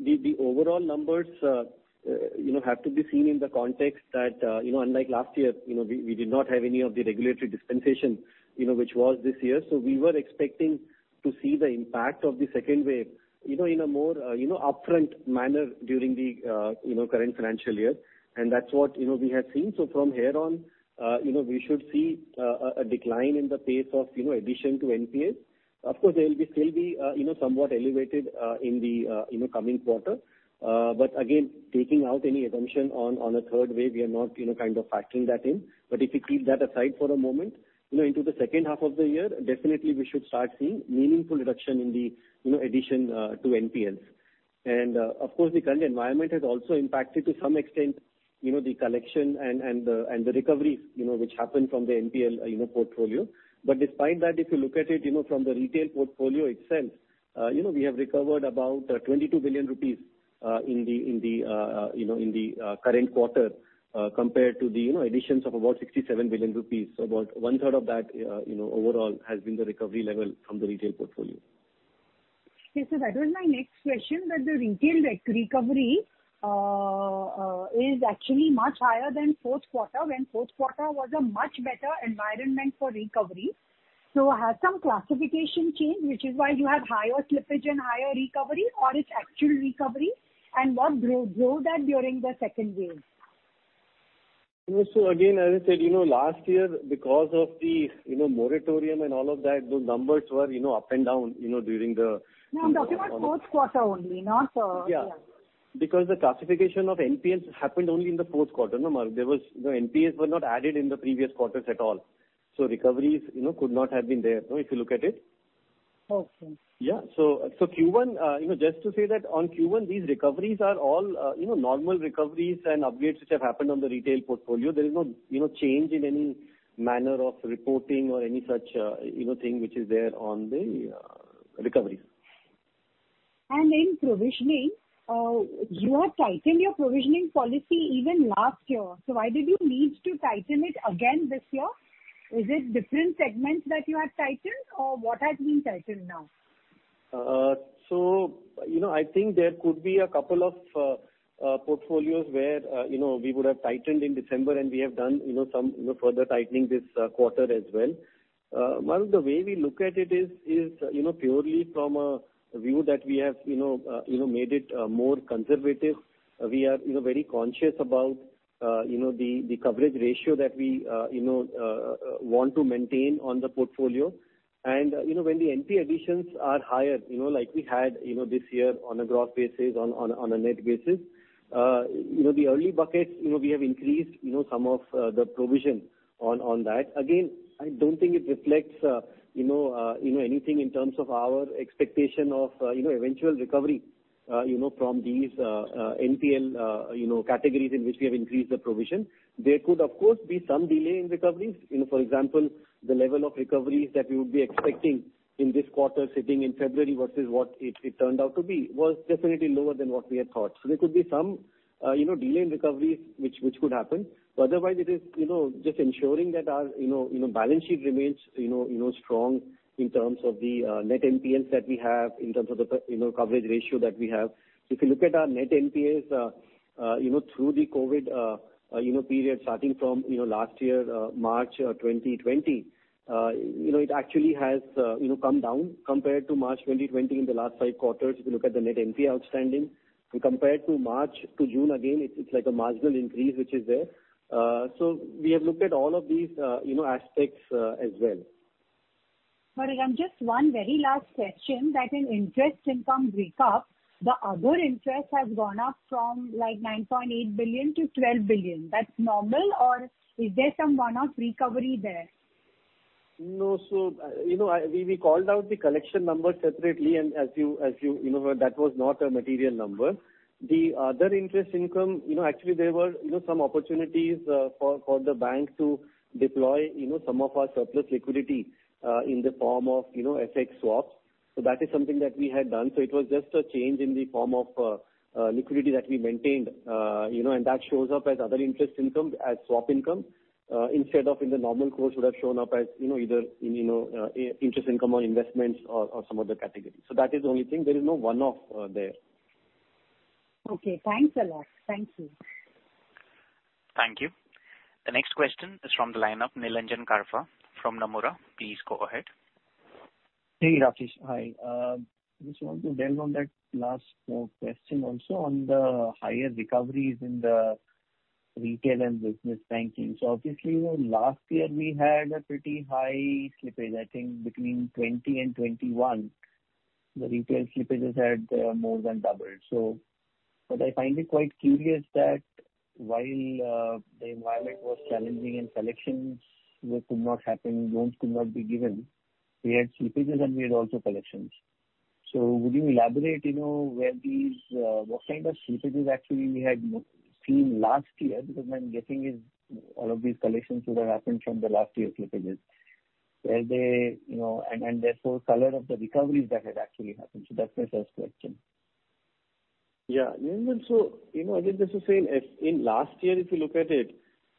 C: the overall numbers have to be seen in the context that unlike last year, we did not have any of the regulatory dispensation which was this year. We were expecting to see the impact of the second wave in a more upfront manner during the current financial year. That's what we have seen. From here on, we should see a decline in the pace of addition to NPAs. Of course, they'll still be somewhat elevated in the coming quarter. Again, taking out any assumption on a third wave, we are not kind of factoring that in. If we keep that aside for a moment, into the second half of the year, definitely we should start seeing meaningful reduction in the addition to NPLs. Of course, the current environment has also impacted to some extent, the collection and the recoveries which happened from the NPL portfolio. Despite that, if you look at it from the retail portfolio itself, we have recovered about 22 billion rupees in the current quarter compared to the additions of about 67 billion rupees, so about one third of that overall has been the recovery level from the retail portfolio.
D: Okay. That was my next question, that the retail debt recovery is actually much higher than fourth quarter, when fourth quarter was a much better environment for recovery. Has some classification changed, which is why you have higher slippage and higher recovery, or it's actual recovery? What drove that during the second wave?
C: Again, as I said, last year, because of the moratorium and all of that, those numbers were up and down.
D: No, I'm talking about fourth quarter only.
C: Yeah. The classification of NPAs happened only in the fourth quarter. NPAs were not added in the previous quarters at all. Recoveries could not have been there, if you look at it.
D: Okay.
C: Yeah. Just to say that on Q1, these recoveries are all normal recoveries and upgrades which have happened on the retail portfolio. There is no change in any manner of reporting or any such thing which is there on the recoveries.
D: In provisioning, you have tightened your provisioning policy even last year. Why did you need to tighten it again this year? Is it different segments that you have tightened, or what has been tightened now?
C: I think there could be a couple of portfolios where we would have tightened in December, and we have done some further tightening this quarter as well. Mahrukh, the way we look at it is purely from a view that we have made it more conservative. We are very conscious about the coverage ratio that we want to maintain on the portfolio. When the NPA additions are higher like we had this year on a gross basis, on a net basis. The early buckets, we have increased some of the provision on that. I don't think it reflects anything in terms of our expectation of eventual recovery. From these NPL categories in which we have increased the provision, there could, of course, be some delay in recoveries. For example, the level of recoveries that we would be expecting in this quarter sitting in February versus what it turned out to be was definitely lower than what we had thought. There could be some delay in recoveries, which could happen. Otherwise, it is just ensuring that our balance sheet remains strong in terms of the net NPLs that we have, in terms of the coverage ratio that we have. If you look at our net NPLs through the COVID period, starting from last year, March 2020, it actually has come down compared to March 2020 in the last five quarters, if you look at the net NPL outstanding and compared to March to June, again, it's like a marginal increase which is there. We have looked at all of these aspects as well.
D: Rakesh, just one very last question that in interest income breakup, the other interest has gone up from 9.8 billion-12 billion. That's normal, or is there some one-off recovery there?
C: No. We called out the collection number separately, as you know, that was not a material number. The other interest income, actually, there were some opportunities for the bank to deploy some of our surplus liquidity in the form of FX swap. That is something that we had done. It was just a change in the form of liquidity that we maintained and that shows up as other interest income, as swap income, instead of in the normal course would have shown up as either interest income on investments or some other category. That is the only thing. There is no one-off there.
D: Okay. Thanks a lot. Thank you.
A: Thank you. The next question is from the line of Nilanjan Karfa from Nomura. Please go ahead.
E: Hey, Rakesh. Hi. I just want to delve on that last question also on the higher recoveries in the retail and business banking. Obviously, last year we had a pretty high slippage. I think between 2020 and 2021, the retail slippages had more than doubled. I find it quite curious that while the environment was challenging and collections could not happen, loans could not be given, we had slippages, and we had also collections. Would you elaborate, what kind of slippages actually we had seen last year? Because my guessing is all of these collections would have happened from the last year slippages. Therefore, color of the recoveries that had actually happened? That's my first question.
C: Yeah. Again, just to say, in last year, if you look at it,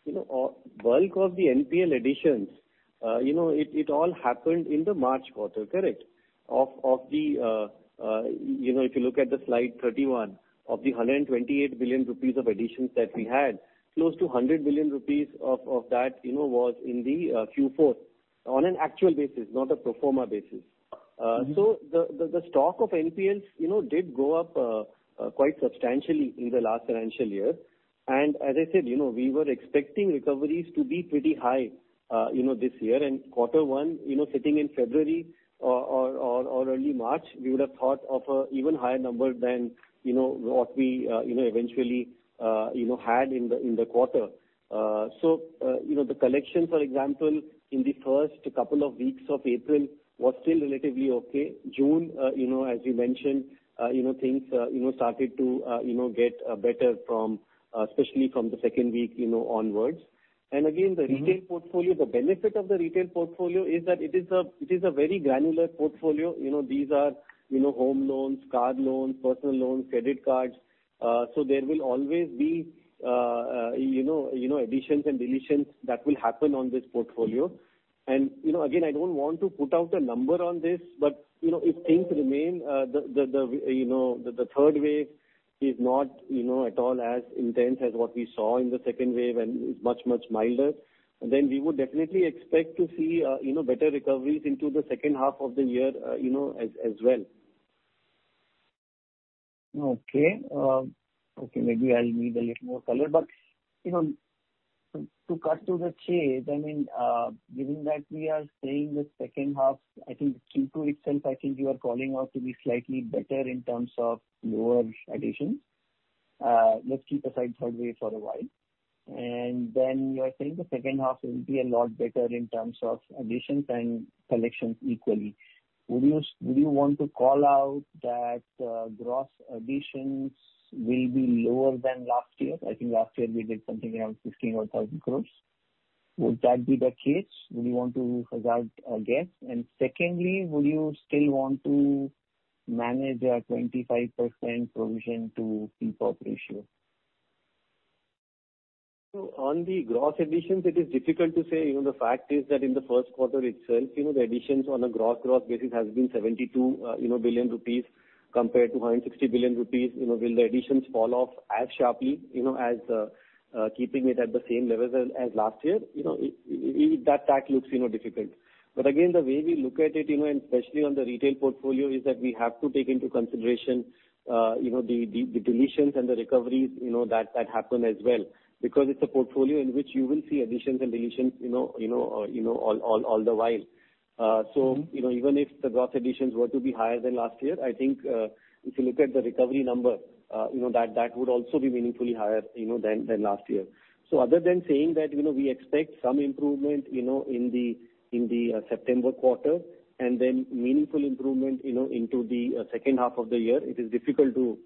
C: bulk of the NPL additions, it all happened in the March quarter. Correct? If you look at the slide 31, of the 128 billion rupees of additions that we had, close to 100 billion rupees of that, was in the Q4 on an actual basis, not a pro forma basis. The stock of NPLs did go up quite substantially in the last financial year. As I said, we were expecting recoveries to be pretty high this year in quarter one, sitting in February or early March, we would have thought of a even higher number than what we eventually had in the quarter. The collection, for example, in the first couple of weeks of April was still relatively okay. June, as you mentioned, things started to get better especially from the second week onwards. Again, the retail portfolio, the benefit of the retail portfolio is that it is a very granular portfolio. These are home loans, car loans, personal loans, credit cards. There will always be additions and deletions that will happen on this portfolio. Again, I don't want to put out a number on this, but if things remain, the third wave is not at all as intense as what we saw in the second wave and is much, much milder, then we would definitely expect to see better recoveries into the second half of the year as well.
E: Okay. Maybe I'll need a little more color, but to cut to the chase, I mean, given that we are saying the second half, I think Q2 itself, I think you are calling out to be slightly better in terms of lower additions. Let's keep aside third wave for a while, and then you are saying the second half will be a lot better in terms of additions and collections equally. Would you want to call out that gross additions will be lower than last year? I think last year we did something around 16,000 crores. Would that be the case? Would you want to hazard a guess? Secondly, will you still want to manage a 25% provision to PPoP ratio?
C: On the gross additions, it is difficult to say. The fact is that in the first quarter itself, the additions on a gross basis has been 72 billion rupees compared to 160 billion rupees. Will the additions fall off as sharply, as keeping it at the same level as last year? That looks difficult. Again, the way we look at it, and especially on the retail portfolio, is that we have to take into consideration the deletions and the recoveries that happen as well because it's a portfolio in which you will see additions and deletions all the while. Even if the gross additions were to be higher than last year, I think if you look at the recovery number, that would also be meaningfully higher than last year. Other than saying that we expect some improvement in the September quarter and then meaningful improvement into the second half of the year, it is difficult to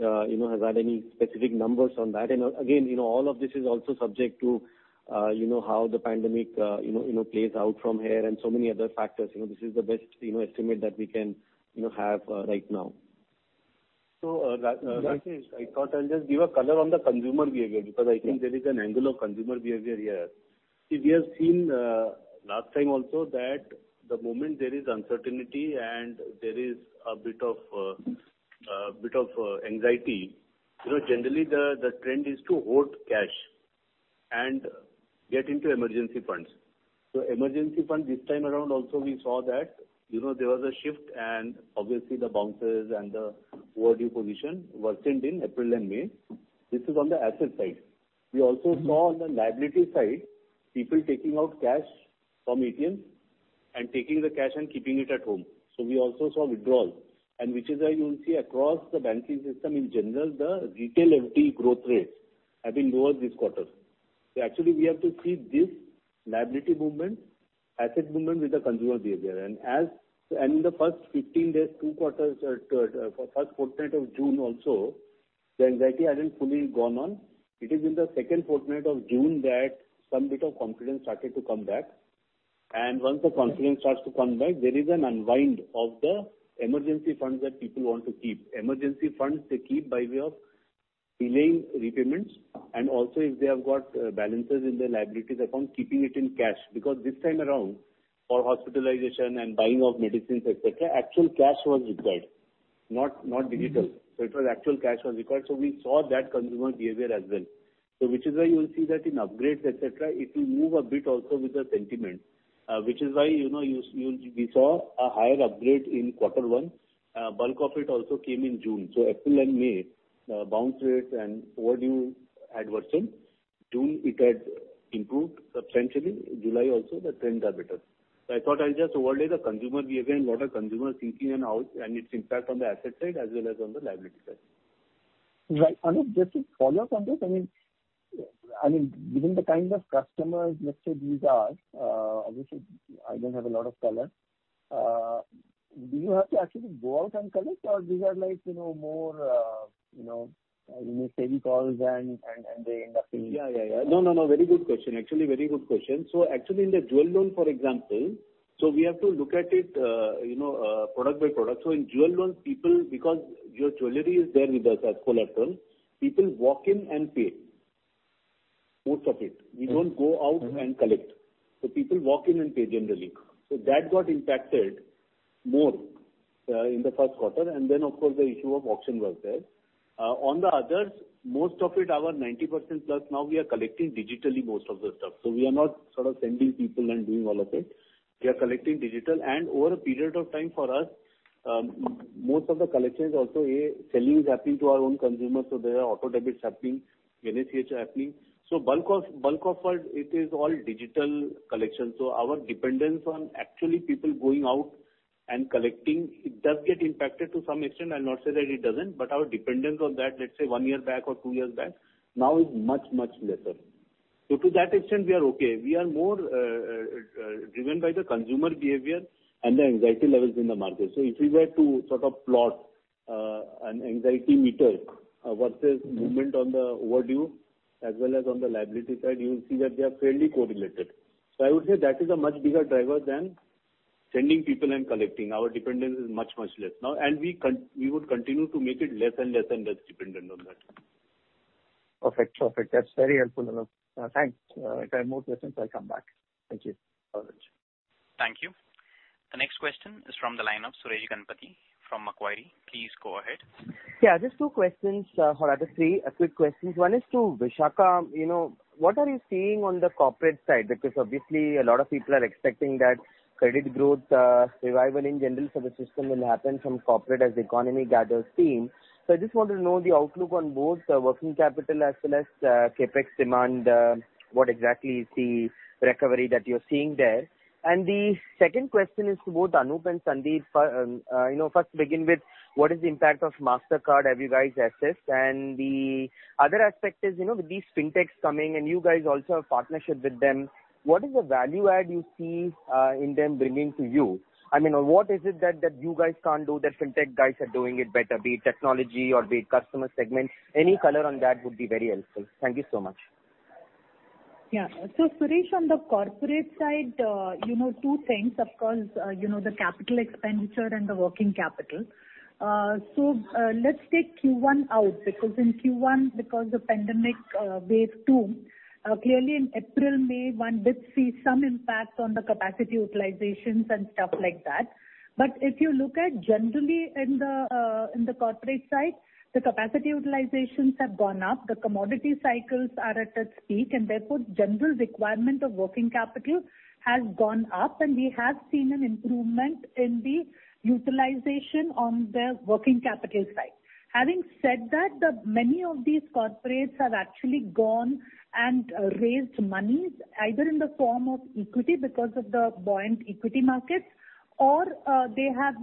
C: hazard any specific numbers on that. Again, all of this is also subject to how the pandemic plays out from here and so many other factors. This is the best estimate that we can have right now.
F: Rakesh, I thought I'll just give a color on the consumer behavior because I think there is an angle of consumer behavior here. We have seen last time also that the moment there is uncertainty and there is a bit of anxiety, generally, the trend is to hoard cash and get into emergency funds. Emergency funds this time around also, we saw that there was a shift and obviously the bounces and the overdue position worsened in April and May. This is on the asset side. We also saw on the liability side, people taking out cash from ATMs and taking the cash and keeping it at home. We also saw withdrawals, and which is why you will see across the banking system in general, the retail FD growth rates have been lower this quarter. Actually, we have to see this liability movement, asset movement with the consumer behavior. In the first 15 days, first fortnight of June also, the anxiety hadn't fully gone on. It is in the second fortnight of June that some bit of confidence started to come back. Once the confidence starts to come back, there is an unwind of the emergency funds that people want to keep. Emergency funds they keep by way of delaying repayments and also if they have got balances in their liabilities account, keeping it in cash, because this time around for hospitalization and buying of medicines, et cetera, actual cash was required, not digital. It was actual cash was required. We saw that consumer behavior as well. Which is why you will see that in upgrades, et cetera, it will move a bit also with the sentiment, which is why we saw a higher upgrade in quarter one. Bulk of it also came in June. April and May, bounce rates and overdue had worsened. June it had improved substantially. July also, the trends are better. I thought I'll just overlay the consumer behavior and what are consumers thinking and its impact on the asset side as well as on the liability side.
E: Right. Anup, just to follow up on this. Given the kind of customers, let's say, these are, obviously I don't have a lot of color. Do you have to actually go out and collect or these are more steady calls and they end up in-?
F: Yeah. No, very good question. Actually, very good question. Actually in the jewel loan, for example, we have to look at it product by product. In jewel loans, people because your jewelry is there with us as collateral, people walk in and pay most of it. We don't go out and collect. People walk in and pay generally. That got impacted more in the first quarter and then, of course, the issue of auction was there. On the others, most of it, our 90%+ now we are collecting digitally most of the stuff. We are not sort of sending people and doing all of it. We are collecting digital and over a period of time for us, most of the collections also, selling is happening to our own consumers, there are auto debits happening, NACH are happening. Bulk of what it is all digital collection. Our dependence on actually people going out and collecting, it does get impacted to some extent. I'll not say that it doesn't, but our dependence on that, let's say one year back or two years back now is much, much lesser. To that extent, we are okay. We are more driven by the consumer behavior and the anxiety levels in the market. If we were to sort of plot an anxiety meter versus movement on the overdue as well as on the liability side, you will see that they are fairly correlated. I would say that is a much bigger driver than sending people and collecting. Our dependence is much, much less now and we would continue to make it less and less dependent on that.
E: Perfect. That's very helpful, Anup. Thanks. If I have more questions, I'll come back. Thank you.
F: Okay.
A: Thank you. The next question is from the line of Suresh Ganapathy from Macquarie. Please go ahead.
G: Yeah. Just two questions or rather three quick questions. One is to Vishakha. What are you seeing on the corporate side? Obviously a lot of people are expecting that credit growth revival in general for the system will happen from corporate as the economy gathers steam. I just wanted to know the outlook on both working capital as well as CapEx demand. What exactly is the recovery that you're seeing there? The 2nd question is to both Anup and Sandeep. First begin with what is the impact of Mastercard, have you guys assessed? The other aspect is with these fintechs coming and you guys also have partnership with them, what is the value add you see in them bringing to you? What is it that you guys can't do that fintech guys are doing it better, be it technology or be it customer segment? Any color on that would be very helpful. Thank you so much.
H: Yeah. Suresh, on the corporate side, two things, of course, the capital expenditure and the working capital. Let's take Q1 out because in Q1 because of pandemic wave two, clearly in April, May, one did see some impact on the capacity utilizations and stuff like that. If you look at generally in the corporate side, the capacity utilizations have gone up, the commodity cycles are at its peak, and therefore general requirement of working capital has gone up and we have seen an improvement in the utilization on the working capital side. Having said that, many of these corporates have actually gone and raised monies either in the form of equity because of the buoyant equity markets. They have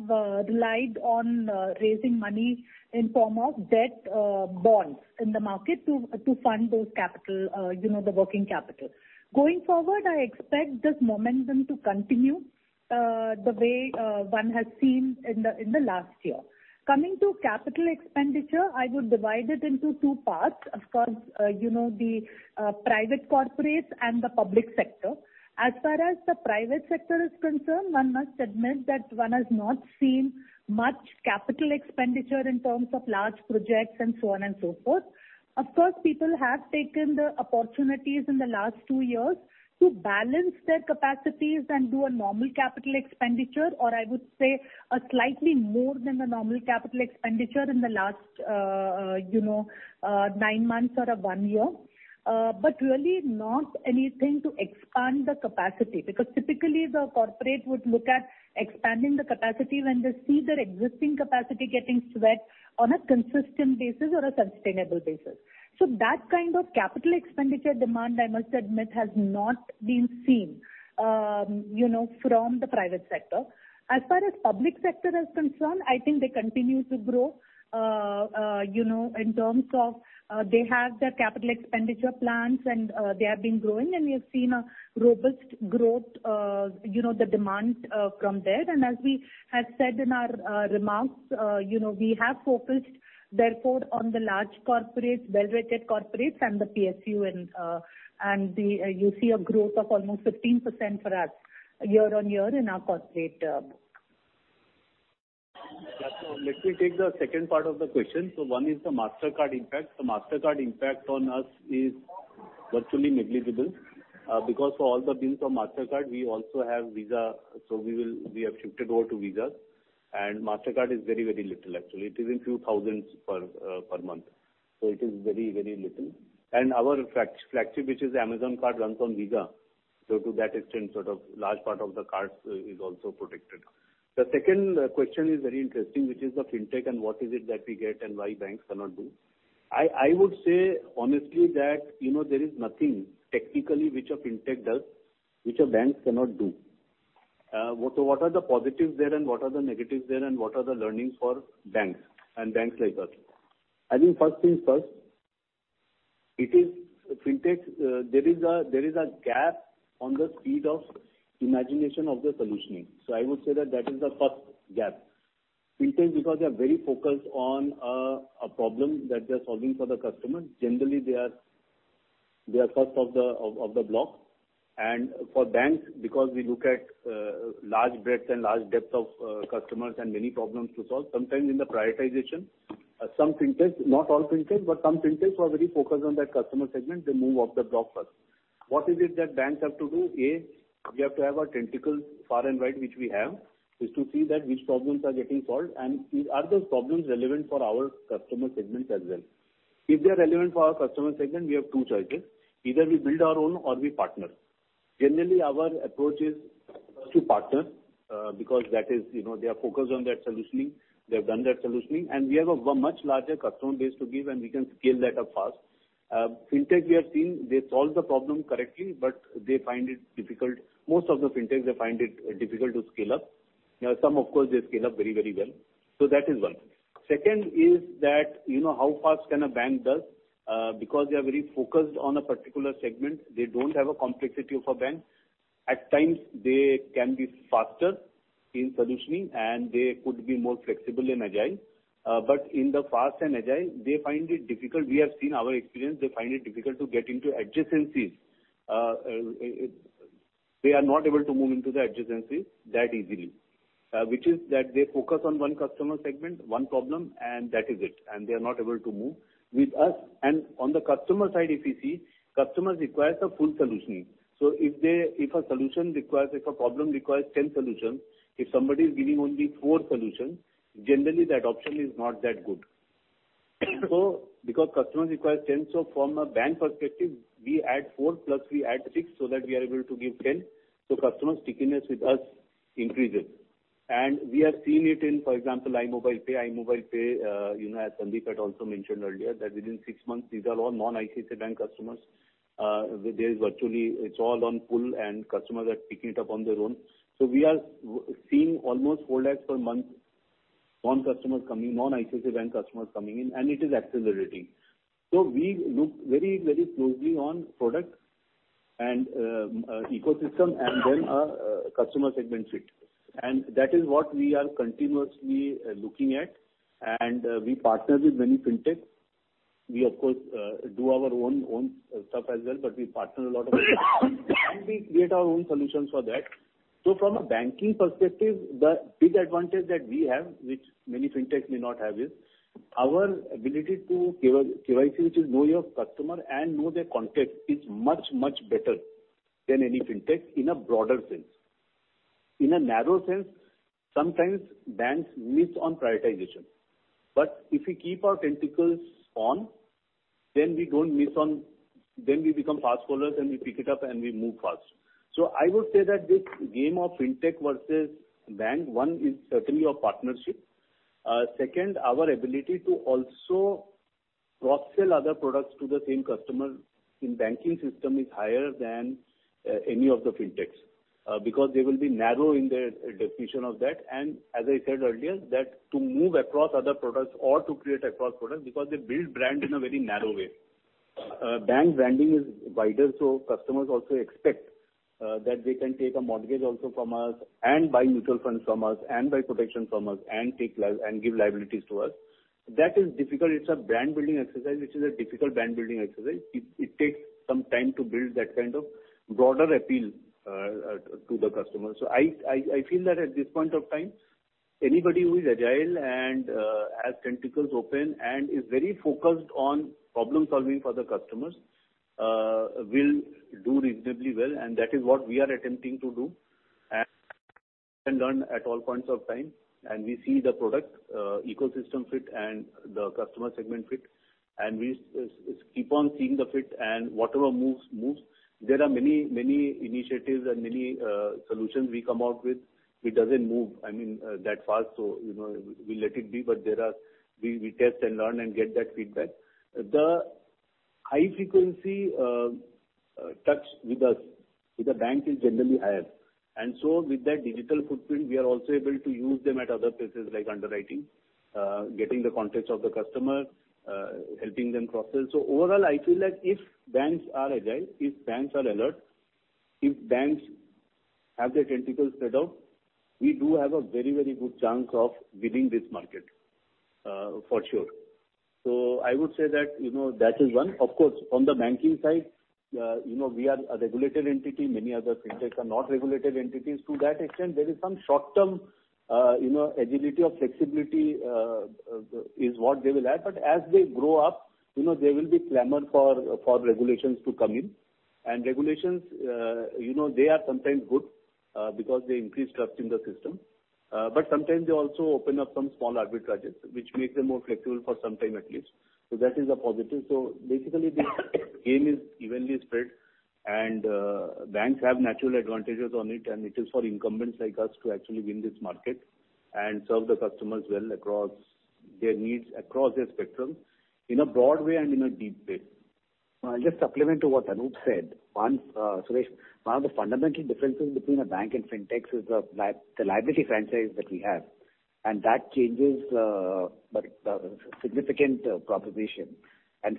H: relied on raising money in form of debt bonds in the market to fund those capital, the working capital. Going forward, I expect this momentum to continue the way one has seen in the last year. Coming to capital expenditure, I would divide it into two parts. Of course, the private corporates and the public sector. As far as the private sector is concerned, one must admit that one has not seen much capital expenditure in terms of large projects and so on and so forth. Of course, people have taken the opportunities in the last two years to balance their capacities and do a normal capital expenditure, or I would say a slightly more than the normal capital expenditure in the last nine months or one year. Really not anything to expand the capacity, because typically the corporate would look at expanding the capacity when they see their existing capacity getting sweat on a consistent basis or a sustainable basis. That kind of capital expenditure demand, I must admit, has not been seen from the private sector. As far as public sector is concerned, I think they continue to grow, in terms of they have their capital expenditure plans and they have been growing and we have seen a robust growth, the demand from there. As we have said in our remarks, we have focused therefore on the large corporates, well-rated corporates and the PSU and you see a growth of almost 15% for us year-on-year in our corporate book.
F: Let me take the second part of the question. One is the MasterCard impact. The MasterCard impact on us is virtually negligible because for all the bills from MasterCard, we also have Visa. We have shifted over to Visa, and MasterCard is very, very little actually. It is in few thousands per month. It is very, very little. Our flagship, which is Amazon Card, runs on Visa, so to that extent, sort of large part of the cards is also protected. The second question is very interesting, which is of fintech and what is it that we get and why banks cannot do. I would say honestly that there is nothing technically which a fintech does which a banks cannot do. What are the positives there and what are the negatives there, and what are the learnings for banks and banks like us? I think first things first, fintech, there is a gap on the speed of imagination of the solutioning. I would say that that is the first gap. Fintech because they are very focused on a problem that they are solving for the customer. Generally, they are first of the block. For banks, because we look at large breadth and large depth of customers and many problems to solve, sometimes in the prioritization, some fintechs, not all fintechs, but some fintechs who are very focused on that customer segment, they move off the block first. What is it that banks have to do? A, we have to have our tentacles far and wide, which we have, is to see that which problems are getting solved, and are those problems relevant for our customer segments as well. If they are relevant for our customer segment, we have two choices. Either we build our own or we partner. Generally, our approach is first to partner because they are focused on that solutioning. They have done that solutioning, and we have a much larger customer base to give and we can scale that up fast. Fintech we have seen, they solve the problem correctly, but they find it difficult. Most of the fintechs, they find it difficult to scale up. Some, of course, they scale up very, very well. That is one. Second is that, how fast can a bank does? They are very focused on a particular segment, they don't have a complexity of a bank. At times, they can be faster in solutioning, and they could be more flexible and agile. In the fast and agile, they find it difficult. We have seen our experience, they find it difficult to get into adjacencies. They are not able to move into the adjacencies that easily. Which is that they focus on one customer segment, one problem, and that is it. They are not able to move. With us and on the customer side, if you see, customers require a full solutioning. If a problem requires 10 solutions, if somebody is giving only 4 solutions, generally the adoption is not that good. Because customers require 10, from a bank perspective, we add four plus we add six so that we are able to give 10, customer stickiness with us increases. We have seen it in, for example, iMobile Pay. iMobile Pay, as Sandeep had also mentioned earlier, that within six months, these are all non-ICICI Bank customers. There is virtually, it's all on pull and customers are picking it up on their own. We are seeing almost 4 lakhs per month, non-customers coming, non-ICICI Bank customers coming in, and it is accelerating. We look very, very closely on product and ecosystem and then our customer segment fit. That is what we are continuously looking at and we partner with many fintech. We of course, do our own stuff as well, but we partner a lot and we create our own solutions for that. From a banking perspective, the big advantage that we have, which many fintech may not have is our ability to KYC, which is know your customer and know their context is much, much better than any fintech in a broader sense. In a narrow sense, sometimes banks miss on prioritization. If we keep our tentacles on, then we become fast followers and we pick it up and we move fast. I would say that this game of fintech versus bank, one is certainly a partnership. Second, our ability to also cross-sell other products to the same customer in banking system is higher than any of the fintechs, because they will be narrow in their definition of that. As I said earlier, that to move across other products or to create across products, because they build brand in a very narrow way. Bank branding is wider, so customers also expect that they can take a mortgage also from us and buy mutual funds from us and buy protection from us and give liabilities to us. That is difficult. It's a brand-building exercise, which is a difficult brand-building exercise. It takes some time to build that kind of broader appeal to the customer. I feel that at this point of time, anybody who is agile and has tentacles open and is very focused on problem-solving for the customers, will do reasonably well, and that is what we are attempting to do. Learn at all points of time, and we see the product ecosystem fit and the customer segment fit, and we keep on seeing the fit and whatever moves. There are many initiatives and many solutions we come out with. It doesn't move that fast, so we let it be, but we test and learn and get that feedback. The high frequency touch with us, with the bank is generally higher. With that digital footprint, we are also able to use them at other places like underwriting, getting the context of the customer, helping them process. Overall, I feel like if banks are agile, if banks are alert, if banks have their tentacles spread out, we do have a very good chance of winning this market, for sure. I would say that is one. Of course, from the banking side, we are a regulated entity. Many other fintechs are not regulated entities. To that extent, there is some short-term agility or flexibility, is what they will add. As they grow up, there will be clamor for regulations to come in. Regulations, they are sometimes good because they increase trust in the system. Sometimes they also open up some small arbitrages, which makes them more flexible for some time at least. That is a positive. Basically, the game is evenly spread and banks have natural advantages on it, and it is for incumbents like us to actually win this market and serve the customers well across their needs, across their spectrum in a broad way and in a deep way.
I: I'll just supplement to what Anup said. Suresh, one of the fundamental differences between a bank and fintechs is the liability franchise that we have. That changes the significant proposition.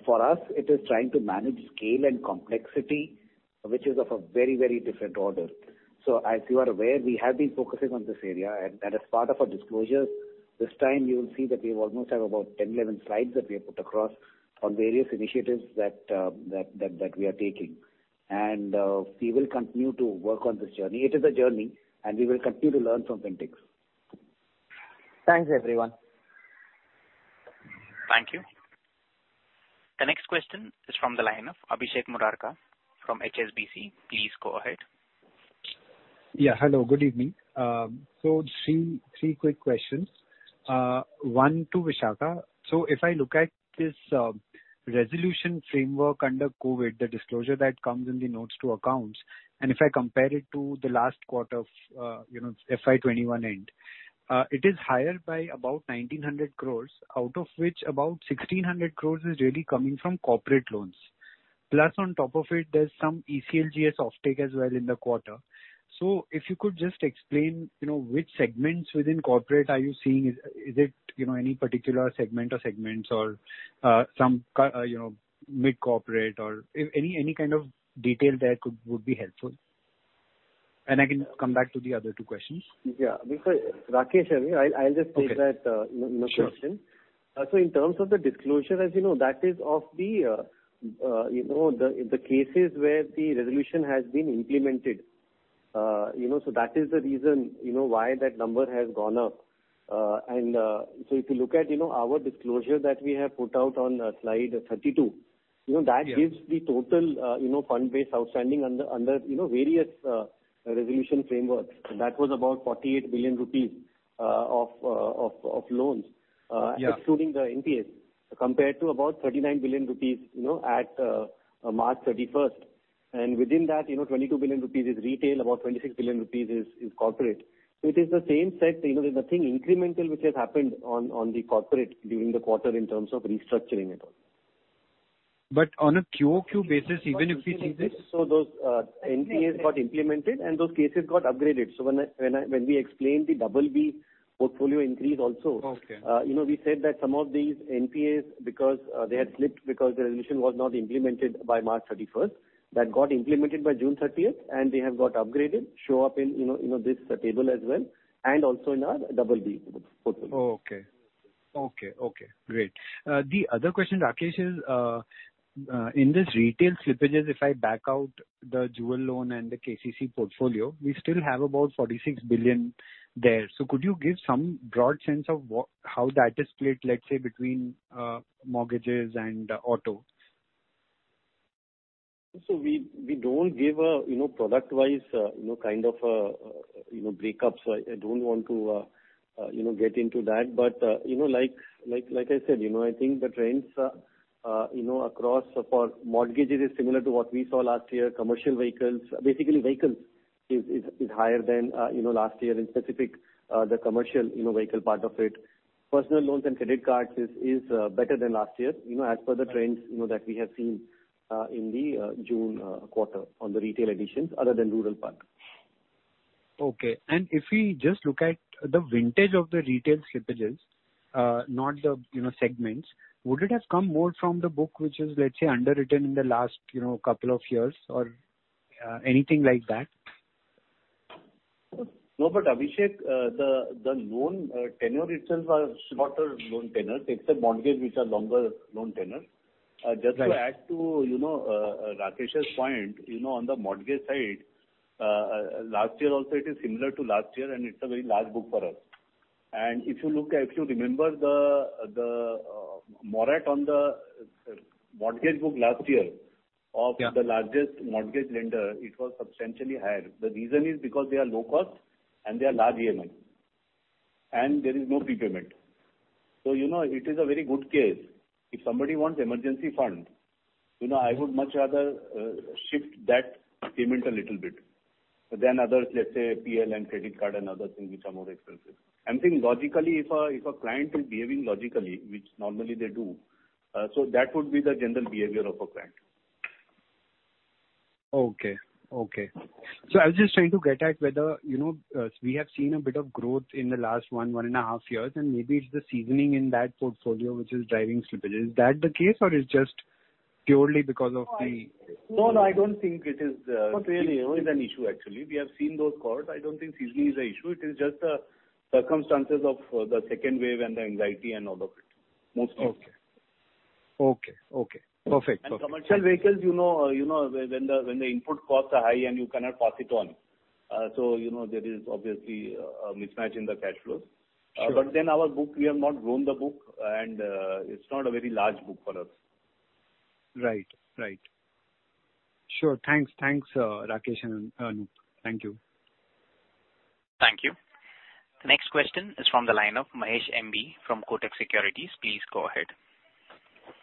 I: For us, it is trying to manage scale and complexity, which is of a very different order. As you are aware, we have been focusing on this area, and as part of our disclosure this time, you will see that we almost have about 10, 11 slides that we have put across on various initiatives that we are taking. We will continue to work on this journey. It is a journey and we will continue to learn from fintechs.
G: Thanks, everyone.
A: Thank you. The next question is from the line of Abhishek Murarka from HSBC. Please go ahead.
J: Yeah. Hello, good evening. Three quick questions. One to Vishakha. If I look at this resolution framework under COVID-19, the disclosure that comes in the notes to accounts, and if I compare it to the last quarter of FY 2021 end, it is higher by about 1,900 crores, out of which about 1,600 crores is really coming from corporate loans. Plus on top of it, there's some ECLGS offtake as well in the quarter. If you could just explain, which segments within corporate are you seeing? Is it any particular segment or segments or some mid-corporate or any kind of detail there would be helpful. I can come back to the other two questions.
C: Yeah. Rakesh here. I'll just take that question.
J: Sure.
C: In terms of the disclosure, as you know, that is of the cases where the resolution has been implemented. That is the reason why that number has gone up. If you look at our disclosure that we have put out on slide 32 that gives the total fund base outstanding under various resolution frameworks. That was about 48 billion rupees of loans.
J: Yeah
C: Excluding the NPAs, compared to about 39 billion rupees at March 31st. Within that, 22 billion rupees is retail, about 26 billion rupees is corporate. It is the same set. There's nothing incremental which has happened on the corporate during the quarter in terms of restructuring at all.
J: On a QOQ basis, even if we see this.
C: Those NPAs got implemented, and those cases got upgraded. When we explained the BB portfolio increase also.
J: Okay
C: We said that some of these NPAs because they had slipped, because the resolution was not implemented by March 31st. That got implemented by June 30th, and they have got upgraded, show up in this table as well, and also in our BB portfolio.
J: Okay. Great. The other question, Rakesh, is, in this retail slippages, if I back out the jewel loan and the KCC portfolio, we still have about 46 billion there. Could you give some broad sense of how that is split, let’s say, between mortgages and auto?
C: We don't give a product-wise kind of breakups. I don't want to get into that. Like I said, I think the trends across for mortgages is similar to what we saw last year. Commercial vehicles, basically vehicles is higher than last year in specific, the commercial vehicle part of it. Personal loans and credit cards is better than last year. As per the trends that we have seen in the June quarter on the retail additions, other than rural part.
J: Okay. If we just look at the vintage of the retail slippages, not the segments, would it have come more from the book, which is, let's say, underwritten in the last couple of years or anything like that?
F: No, Abhishek, the loan tenure itself are shorter loan tenure, except mortgage, which are longer loan tenure. Just to add to Rakesh's point, on the mortgage side, last year also it is similar to last year, it's a very large book for us. If you remember the moratorium on the mortgage book last year of the largest mortgage lender, it was substantially higher. The reason is because they are low cost and they are large EMI and there is no prepayment. It is a very good case. If somebody wants emergency fund, I would much rather shift that payment a little bit than others, let's say, PL and credit card and other things which are more expensive. I'm saying logically, if a client is behaving logically, which normally they do, that would be the general behavior of a client.
J: Okay. I was just trying to get at whether we have seen a bit of growth in the last one and a half years, and maybe it's the seasoning in that portfolio which is driving slippage. Is that the case or is just the only because of the?
F: No, I don't think.
J: Not really.
F: An issue, actually. We have seen those cohorts. I don't think seasoning is a issue. It is just circumstances of the second wave and the anxiety and all of it mostly.
J: Okay. Perfect.
F: Commercial vehicles, when the input costs are high and you cannot pass it on, so there is obviously a mismatch in the cash flows.
J: Sure.
F: Our book, we have not grown the book, and it's not a very large book for us.
J: Right. Sure. Thanks, Rakesh and Anup. Thank you.
A: Thank you. The next question is from the line of Mahesh M.B. from Kotak Securities. Please go ahead.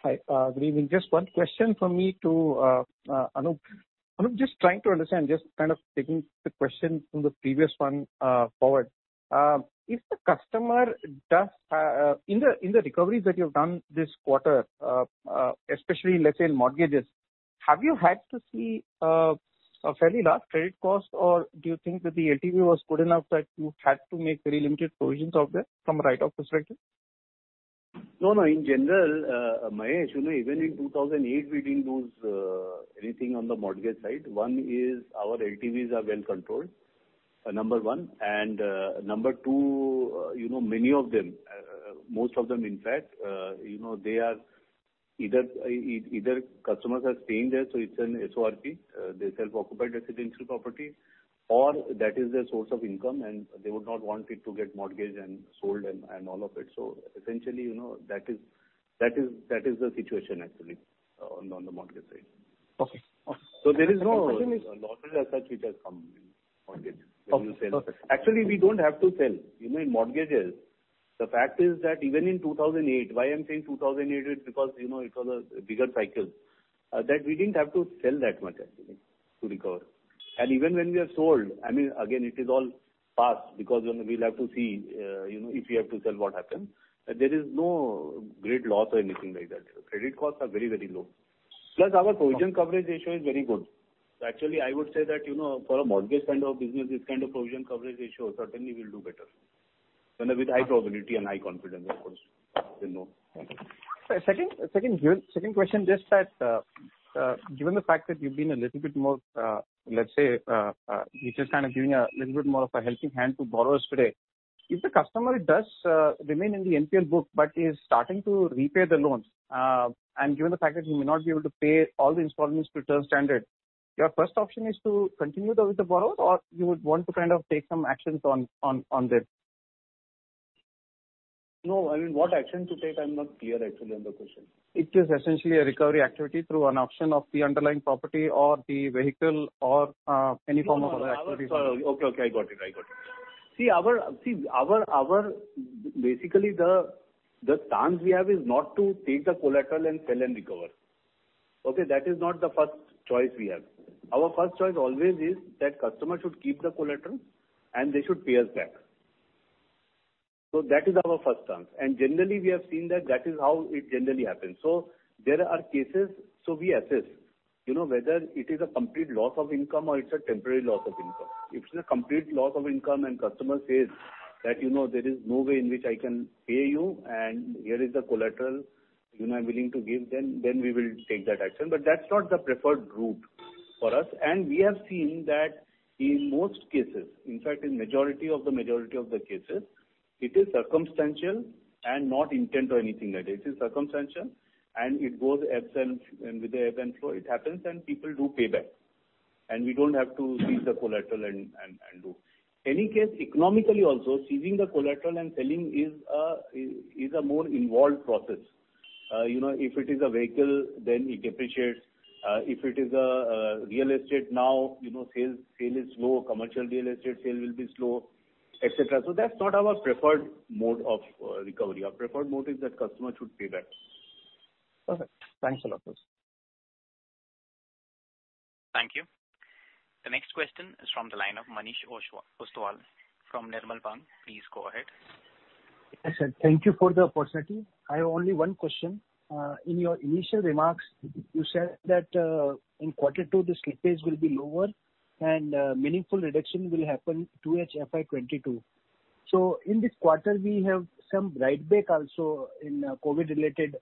K: Hi. Good evening. Just one question from me to Anup. Anup, just trying to understand, just kind of taking the question from the previous one forward. In the recoveries that you've done this quarter, especially let's say in mortgages, have you had to see a fairly large credit cost or do you think that the LTV was good enough that you had to make very limited provisions of that from a write-off perspective?
F: No. In general, Mahesh, even in 2008, we didn't lose anything on the mortgage side. One is our LTVs are well controlled, number one. Number two, many of them, most of them in fact, either customers are staying there, so it's an SORP, the self-occupied residential property, or that is their source of income and they would not want it to get mortgaged and sold and all of it. Essentially, that is the situation actually on the mortgage side.
K: Okay.
F: There is no losses as such which has come in mortgage that we sell.
K: Okay, perfect.
F: Actually, we don't have to sell. In mortgages, the fact is that even in 2008, why I'm saying 2008 is because it was a bigger cycle, that we didn't have to sell that much actually to recover. Even when we have sold, again, it is all past because we'll have to see if we have to sell what happens. There is no great loss or anything like that. Credit costs are very, very low. Plus, our provision coverage ratio is very good. Actually, I would say that for a mortgage kind of business, this kind of provision coverage ratio certainly will do better with high probability and high confidence, of course.
K: Second question, just that given the fact that you've been a little bit more, let's say, you're just kind of giving a little bit more of a helping hand to borrowers today, if the customer does remain in the NPL book but is starting to repay the loans, and given the fact that he may not be able to pay all the installments to return standard, your first option is to continue with the borrower or you would want to kind of take some actions on this?
F: No, I mean, what action to take, I'm not clear actually on the question.
K: If there's essentially a recovery activity through an auction of the underlying property or the vehicle or any form of other activity.
F: Okay. I got it. Basically the chance we have is not to take the collateral and sell and recover. Okay. That is not the first choice we have. Our first choice always is that customer should keep the collateral and they should pay us back. That is our first chance. Generally, we have seen that is how it generally happens. There are cases, so we assess whether it is a complete loss of income or it's a temporary loss of income. If it's a complete loss of income and customer says that, "There is no way in which I can pay you and here is the collateral I'm willing to give," then we will take that action. That's not the preferred route for us. We have seen that in most cases, in fact in majority of the cases, it is circumstantial and not intent or anything like that. It is circumstantial and it goes with the ebb and flow. It happens and people do pay back. We don't have to seize the collateral. Any case, economically also, seizing the collateral and selling is a more involved process. If it is a vehicle, then it depreciates. If it is a real estate now, sale is low, commercial real estate sale will be slow, et cetera. That's not our preferred mode of recovery. Our preferred mode is that customer should pay back.
K: Perfect. Thanks a lot.
A: Thank you. The next question is from the line of Manish Ostwal from Nirmal Bang. Please go ahead.
L: Yes, sir. Thank you for the opportunity. I have only one question. In your initial remarks, you said that in quarter two, the slippage will be lower and meaningful reduction will happen 2H FY 2022. In this quarter, we have some write-back also in COVID related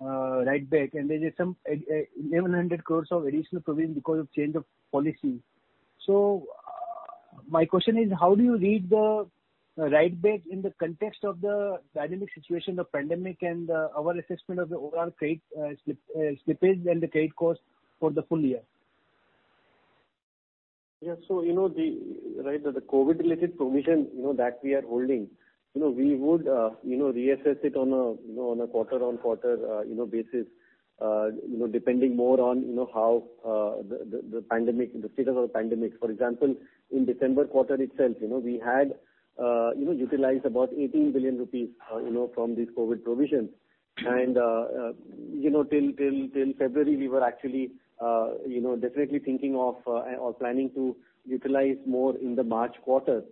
L: write-back, and there is some 1,100 crore of additional provision because of change of policy. My question is, how do you read the write-back in the context of the dynamic situation of pandemic and our assessment of the overall slippage and the trade cost for the full year?
C: The COVID related provision that we are holding, we would reassess it on a quarter-on-quarter basis, depending more on how the status of the pandemic. For example, in December quarter itself, we had utilized about 18 billion rupees from these COVID provisions. Till February, we were actually definitely thinking of or planning to utilize more in the March quarter.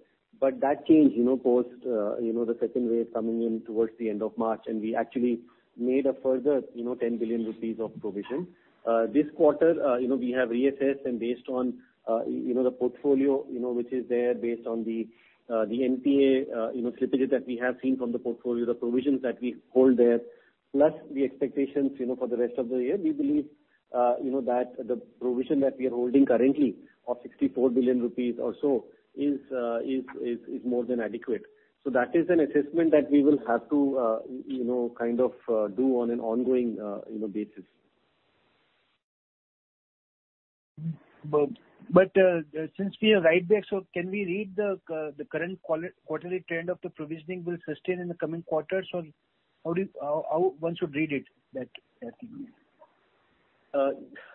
C: That changed post the second wave coming in towards the end of March, and we actually made a further 10 billion rupees of provision. This quarter, we have reassessed and based on the portfolio which is there based on the NPA slippage that we have seen from the portfolio, the provisions that we hold there, plus the expectations for the rest of the year, we believe that the provision that we are holding currently of 64 billion rupees or so is more than adequate. That is an assessment that we will have to do on an ongoing basis.
L: Since we are write-back, can we read the current quarterly trend of the provisioning will sustain in the coming quarters? How one should read it back?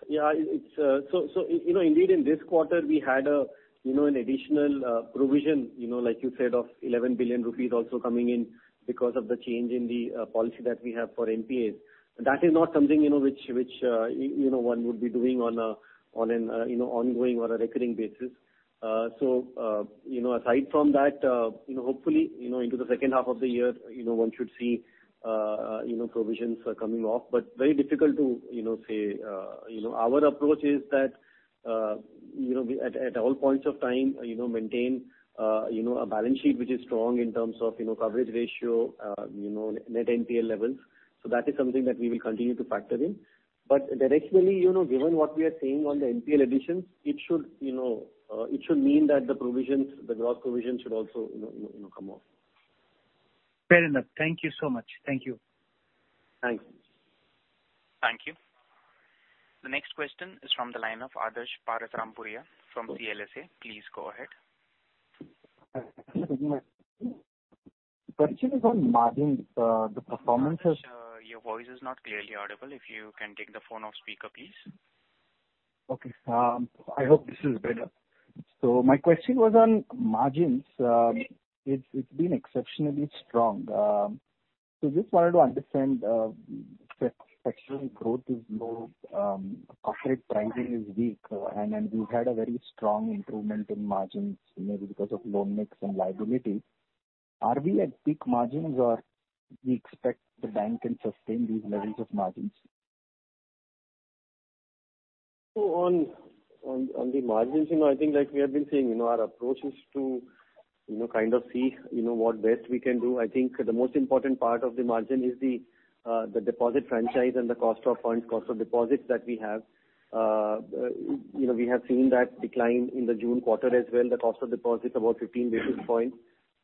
C: Yeah. Indeed in this quarter, we had an additional provision, like you said, of 11 billion rupees also coming in because of the change in the policy that we have for NPAs. That is not something which one would be doing on an ongoing or a recurring basis. Aside from that, hopefully, into the second half of the year, one should see provisions coming off, but very difficult to say. Our approach is that at all points of time, maintain a balance sheet which is strong in terms of coverage ratio, net NPA levels. That is something that we will continue to factor in. Directionally, given what we are seeing on the NPA additions, it should mean that the gross provision should also come off.
L: Fair enough. Thank you so much. Thank you.
C: Thanks.
A: Thank you. The next question is from the line of Adarsh Parasrampuria from CLSA. Please go ahead.
M: Question is on margin.
A: Adarsh, your voice is not clearly audible. If you can take the phone off speaker, please.
M: Okay. I hope this is better. My question was on margins. It's been exceptionally strong. Just wanted to understand, structural growth is low, corporate pricing is weak, and we've had a very strong improvement in margins, maybe because of loan mix and liability. Are we at peak margins, or we expect the bank can sustain these levels of margins?
C: On the margins, I think like we have been saying, our approach is to kind of see what best we can do. I think the most important part of the margin is the deposit franchise and the cost of funds, cost of deposits that we have. We have seen that decline in the June quarter as well, the cost of deposits about 15 basis points.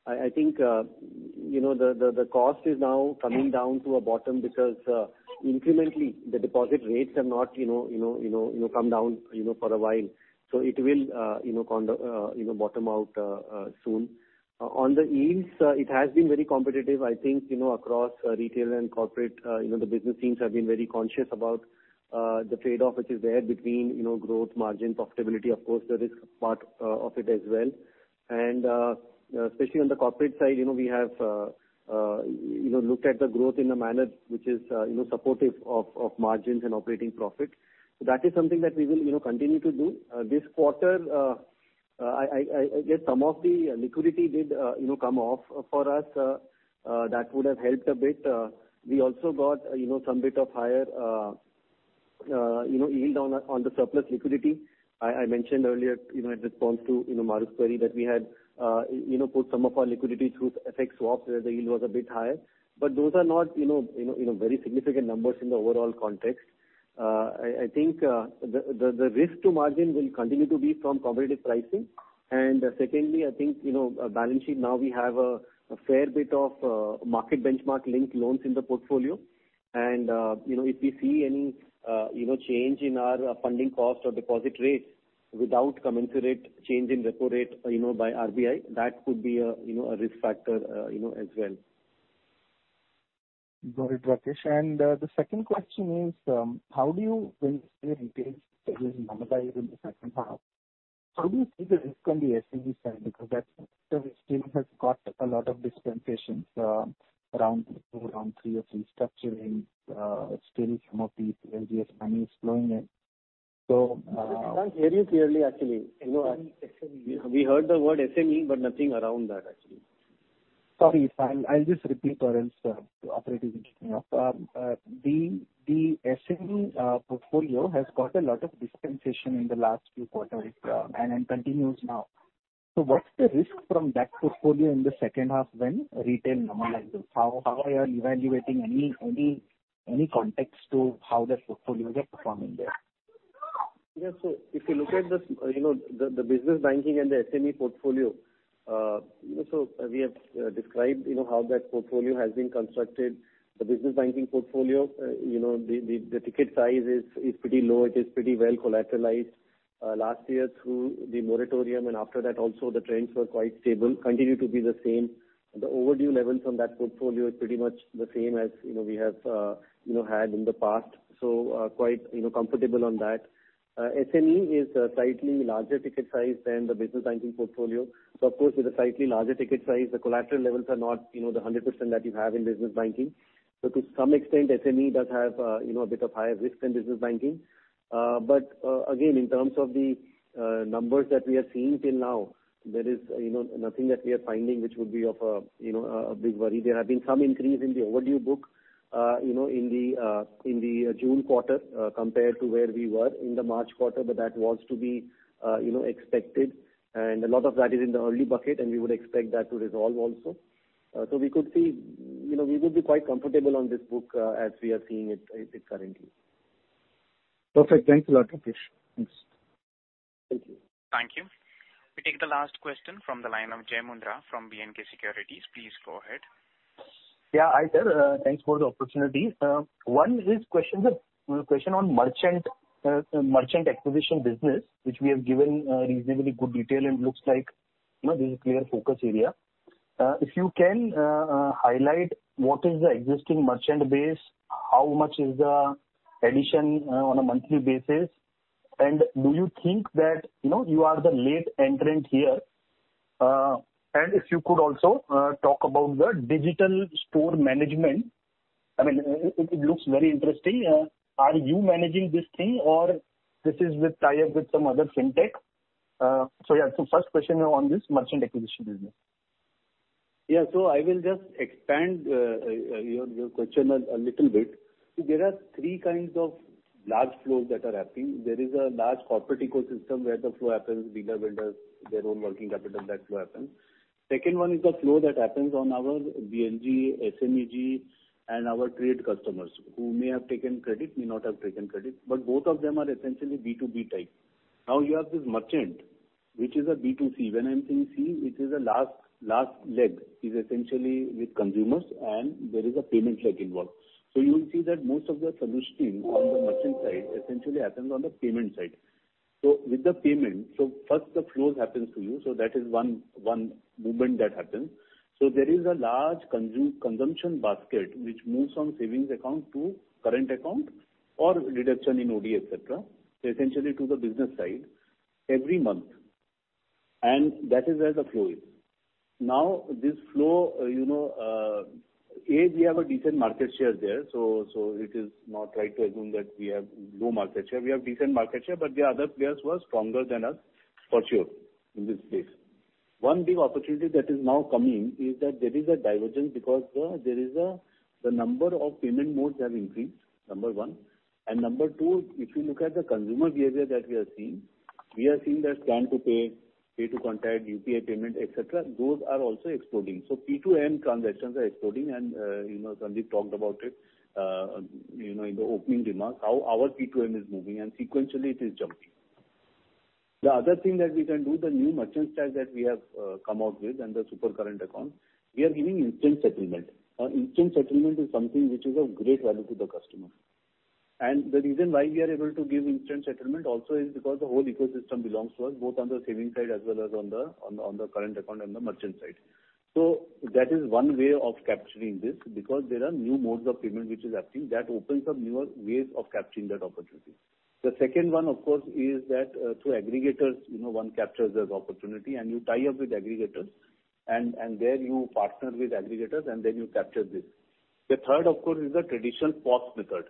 C: I think the cost is now coming down to a bottom because incrementally, the deposit rates have not come down for a while. It will bottom out soon. On the yields, it has been very competitive. I think across retail and corporate, the business teams have been very conscious about the trade-off which is there between growth, margin, profitability. Of course, there is part of it as well. Especially on the corporate side, we have looked at the growth in a manner which is supportive of margins and operating profit. That is something that we will continue to do. This quarter, I guess some of the liquidity did come off for us. That would have helped a bit. We also got some bit of higher yield on the surplus liquidity. I mentioned earlier in response to Mahrukh's query that we had put some of our liquidity through FX swap where the yield was a bit higher. Those are not very significant numbers in the overall context. I think the risk to margin will continue to be from competitive pricing. Secondly, I think balance sheet, now we have a fair bit of market benchmark linked loans in the portfolio. If we see any change in our funding cost or deposit rates without commensurate change in repo rate by RBI, that could be a risk factor as well.
M: Got it, Rakesh. The second question is, how do you retail in the second half? How do you see the risk on the SME side? That still has got a lot of dispensations round two, round three of restructuring, still some of the ECLGS money is flowing in.
C: I can't hear you clearly, actually.
M: SME.
C: We heard the word SME, nothing around that, actually.
M: Sorry. I'll just repeat for else to operate at the beginning. The SME portfolio has got a lot of dispensation in the last few quarters, and continues now. What's the risk from that portfolio in the second half when retail normalize? How are you evaluating any context to how the portfolios are performing there?
C: Yes. If you look at the Business Banking and the SME portfolio, so we have described how that portfolio has been constructed. The Business Banking portfolio, the ticket size is pretty low. It is pretty well collateralized. Last year through the moratorium and after that also, the trends were quite stable, continue to be the same. The overdue levels on that portfolio is pretty much the same as we have had in the past. Quite comfortable on that. SME is a slightly larger ticket size than the Business Banking portfolio. Of course, with a slightly larger ticket size, the collateral levels are not the 100% that you have in Business Banking. To some extent, SME does have a bit of higher risk than Business Banking. Again, in terms of the numbers that we have seen till now, there is nothing that we are finding which would be of a big worry. There have been some increase in the overdue book in the June quarter compared to where we were in the March quarter, but that was to be expected and a lot of that is in the early bucket and we would expect that to resolve also. We could see, we would be quite comfortable on this book as we are seeing it currently.
M: Perfect. Thanks a lot, Rakesh. Thanks.
C: Thank you.
A: Thank you. We take the last question from the line of Jai Mundhra from B&K Securities. Please go ahead.
N: Yeah, hi there. Thanks for the opportunity. One is question on merchant acquisition business, which we have given reasonably good detail and looks like this is clear focus area. If you can highlight what is the existing merchant base, how much is the addition on a monthly basis, and do you think that you are the late entrant here? If you could also talk about the digital store management. I mean, it looks very interesting. Are you managing this thing or this is with tie-up with some other fintech? First question on this merchant acquisition business.
F: Yeah. I will just expand your question a little bit. There are three kinds of large flows that are happening. There is a large corporate ecosystem where the flow happens, bigger builders, their own working capital, that flow happens. Second one is the flow that happens on our BBG, SMEG and our trade customers who may have taken credit, may not have taken credit, but both of them are essentially B2B type. Now you have this merchant, which is a B2C. When I'm saying C, it is a last leg, is essentially with consumers and there is a payment leg involved. You will see that most of the solution on the merchant side essentially happens on the payment side. With the payment, so first the flows happens to you. That is one movement that happens. There is a large consumption basket which moves from savings account to current account or deduction in OD, et cetera, essentially to the business side every month. That is where the flow is. This flow, A, we have a decent market share there, so it is not right to assume that we have low market share. We have decent market share, but there are other players who are stronger than us for sure in this space. One big opportunity that is now coming is that there is a divergence because there is a number of payment modes have increased, number one. Number two, if you look at the consumer behavior that we are seeing, we are seeing that scan to pay to contact, UPI payment, et cetera, those are also exploding. P2M transactions are exploding and Sandeep talked about it in the opening remarks, how our P2M is moving and sequentially it is jumping. The other thing that we can do, the new Merchant Stack that we have come out with and the super current account, we are giving instant settlement. Instant settlement is something which is of great value to the customer. The reason why we are able to give instant settlement also is because the whole ecosystem belongs to us, both on the saving side as well as on the current account and the merchant side. That is one way of capturing this because there are new modes of payment which is happening that opens up newer ways of capturing that opportunity. The second one, of course, is that through aggregators, one captures the opportunity and you tie up with aggregators and there you partner with aggregators and then you capture this. The third, of course, is the traditional POS method.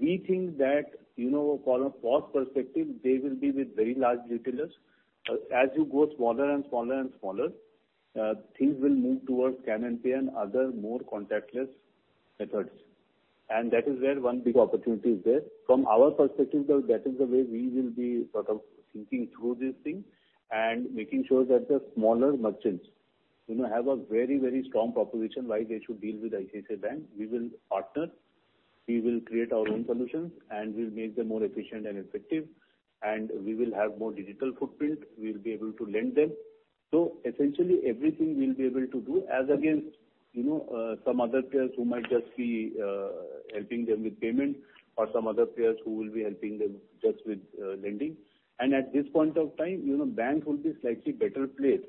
F: We think that from a POS perspective, they will be with very large retailers. As you go smaller and smaller and smaller, things will move towards scan and pay and other more contactless methods. That is where one big opportunity is there. From our perspective, that is the way we will be sort of thinking through this thing and making sure that the smaller merchants have a very strong proposition why they should deal with ICICI Bank. We will partner, we will create our own solutions, and we'll make them more efficient and effective, and we will have more digital footprint. We will be able to lend them. Essentially, everything we'll be able to do as against some other players who might just be helping them with payment or some other players who will be helping them just with lending. At this point of time, bank will be slightly better placed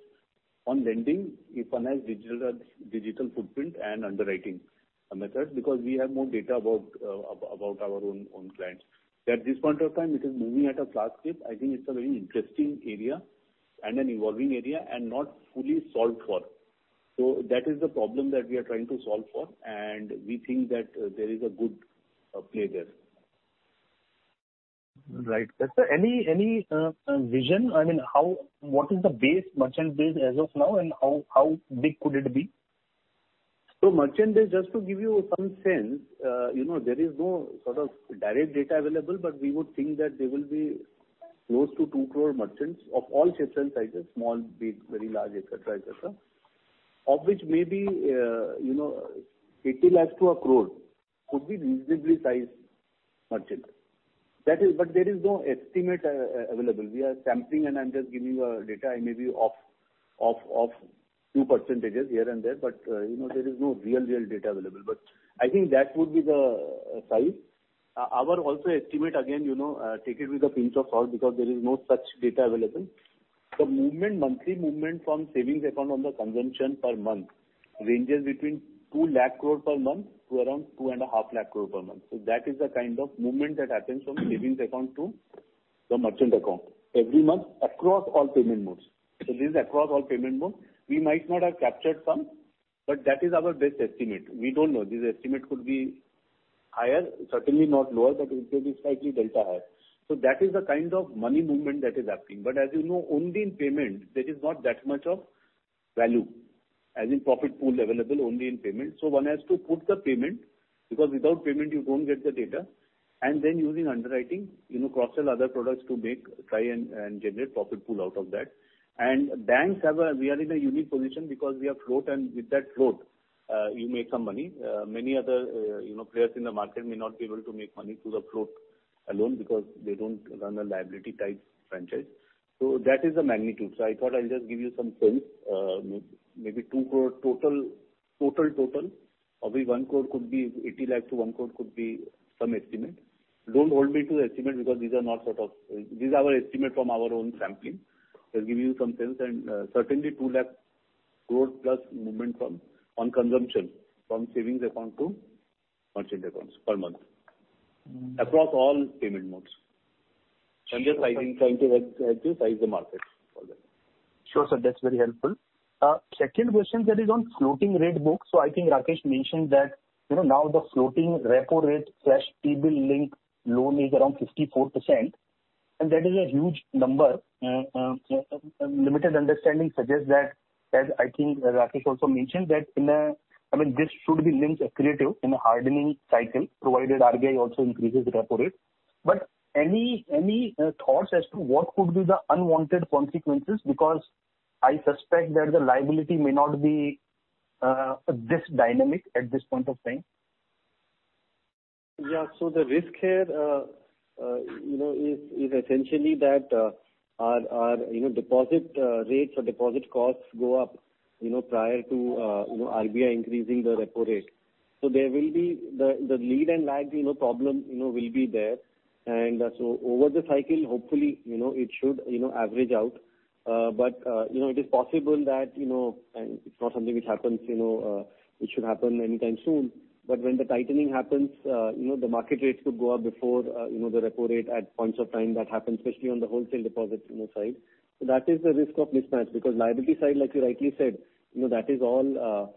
F: on lending, if one has digital footprint and underwriting methods, because we have more data about our own clients. At this point of time, it is moving at a fast clip. I think it's a very interesting area and an evolving area, and not fully solved for. That is the problem that we are trying to solve for, and we think that there is a good play there.
N: Right. Is there any vision? I mean, what is the base merchant base as of now, and how big could it be?
F: Merchant base, just to give you some sense, there is no sort of direct data available, but we would think that there will be close to 2 crore merchants of all shapes and sizes, small, big, very large, et cetera, of which maybe 80 lakh-1 crore could be reasonably sized merchants. But there is no estimate available. We are sampling, and I'm just giving you a data, I may be off few percentages here and there, but there is no real data available. But I think that would be the size. Our also estimate, again, take it with a pinch of salt because there is no such data available. The monthly movement from savings account on the consumption per month ranges between 2 lakh crore per month-around 2.5 lakh crore per month. That is the kind of movement that happens from the savings account to the merchant account every month across all payment modes. This is across all payment modes. We might not have captured some, but that is our best estimate. We don't know. This estimate could be higher, certainly not lower, but it could be slightly delta higher. That is the kind of money movement that is happening. As you know, only in payment, there is not that much of value, as in profit pool available only in payment. One has to put the payment, because without payment you don't get the data. Using underwriting, cross-sell other products to try and generate profit pool out of that. Banks, we are in a unique position because we have float, and with that float, you make some money. Many other players in the market may not be able to make money through the float alone because they don't run a liability type franchise. That is the magnitude. I thought I'll just give you some sense. Maybe 2 crore total. Of which 80 lakh-1 crore could be some estimate. Don't hold me to the estimate because these are our estimate from our own sampling. Just giving you some sense and certainly 2 lakh growth plus movement on consumption from savings account to merchant accounts per month. Across all payment modes. Just trying to help you size the market for that.
N: Sure, sir, that's very helpful. Second question that is on floating rate books. I think Rakesh mentioned that now the floating repo rate/T-bill linked loan is around 54%, and that is a huge number. Limited understanding suggests that, as I think Rakesh also mentioned, that this should be linked accretive in a hardening cycle, provided RBI also increases the repo rate. Any thoughts as to what could be the unwanted consequences because I suspect that the liability may not be this dynamic at this point of time.
C: The risk here is essentially that our deposit rates or deposit costs go up prior to RBI increasing the repo rate. The lead and lag problem will be there, over the cycle, hopefully, it should average out. It is possible that, it's not something which should happen anytime soon, when the tightening happens, the market rates could go up before the repo rate at points of time that happen, especially on the wholesale deposits side. That is the risk of mismatch because liability side, like you rightly said, that is all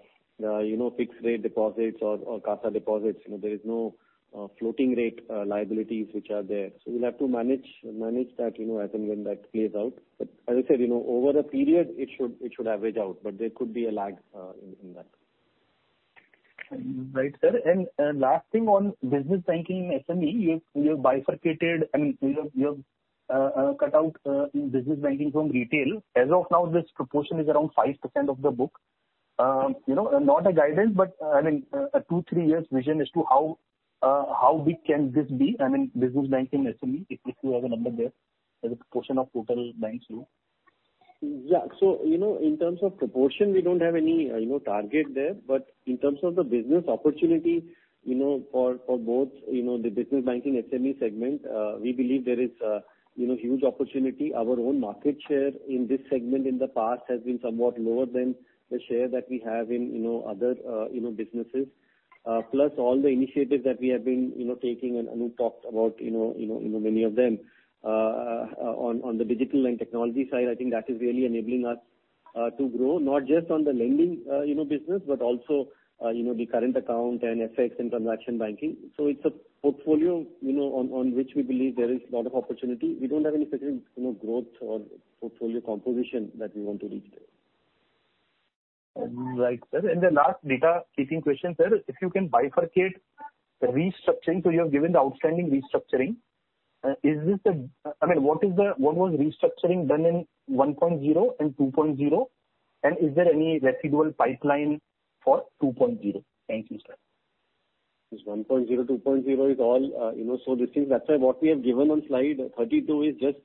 C: fixed rate deposits or CASA deposits. There is no floating rate liabilities which are there. We'll have to manage that as and when that plays out. As I said, over a period, it should average out, there could be a lag in that.
N: Right, sir. Last thing on business banking SME, you have bifurcated and you have cut out business banking from retail. As of now, this proportion is around 5% of the book. Not a guidance, but a two-three years vision as to how big can this be? I mean business banking SME, if you have a number there as a proportion of total bank's loan.
C: In terms of proportion, we don't have any target there. In terms of the business opportunity for both the business banking SME segment, we believe there is a huge opportunity. Our own market share in this segment in the past has been somewhat lower than the share that we have in other businesses. All the initiatives that we have been taking, and Anup talked about many of them. On the digital and technology side, I think that is really enabling us to grow, not just on the lending business, but also the current account and FX and transaction banking. It's a portfolio on which we believe there is a lot of opportunity. We don't have any specific growth or portfolio composition that we want to reach there.
N: Right. Sir, the last data keeping question, sir, if you can bifurcate the restructuring. So you have given the outstanding restructuring. What was Restructuring done in 1.0 and 2.0, and is there any residual pipeline for 2.0? Thank you, sir.
C: This 1.0, 2.0 is all. These things, that's why what we have given on slide 32 is just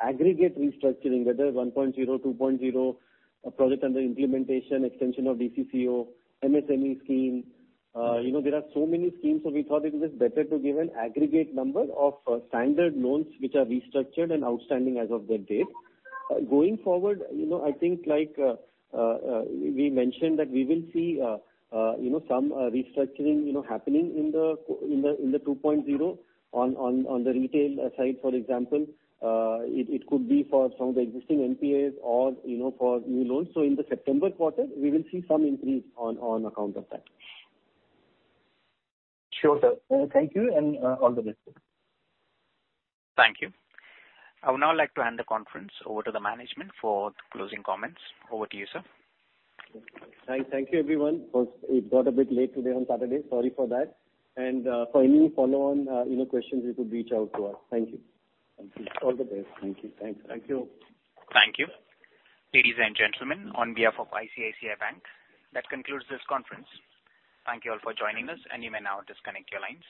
C: aggregate restructuring, whether 1.0, 2.0, project under implementation, extension of DCCO, MSME scheme. There are so many schemes, so we thought it was just better to give an aggregate number of standard loans which are restructured and outstanding as of that date. Going forward, I think, like we mentioned that we will see some restructuring happening in the 2.0 on the retail side, for example. It could be for some of the existing NPAs or for new loans. In the September quarter, we will see some increase on account of that.
N: Sure, sir. Thank you and all the best.
A: Thank you. I would now like to hand the conference over to the management for the closing comments. Over to you, sir.
O: Thank you, everyone. It got a bit late today on Saturday. Sorry for that. For any follow-on questions, you could reach out to us. Thank you.
B: Thank you. All the best.
C: Thank you.
F: Thanks.
I: Thank you.
A: Thank you. Ladies and gentlemen, on behalf of ICICI Bank, that concludes this conference. Thank you all for joining us, and you may now disconnect your lines.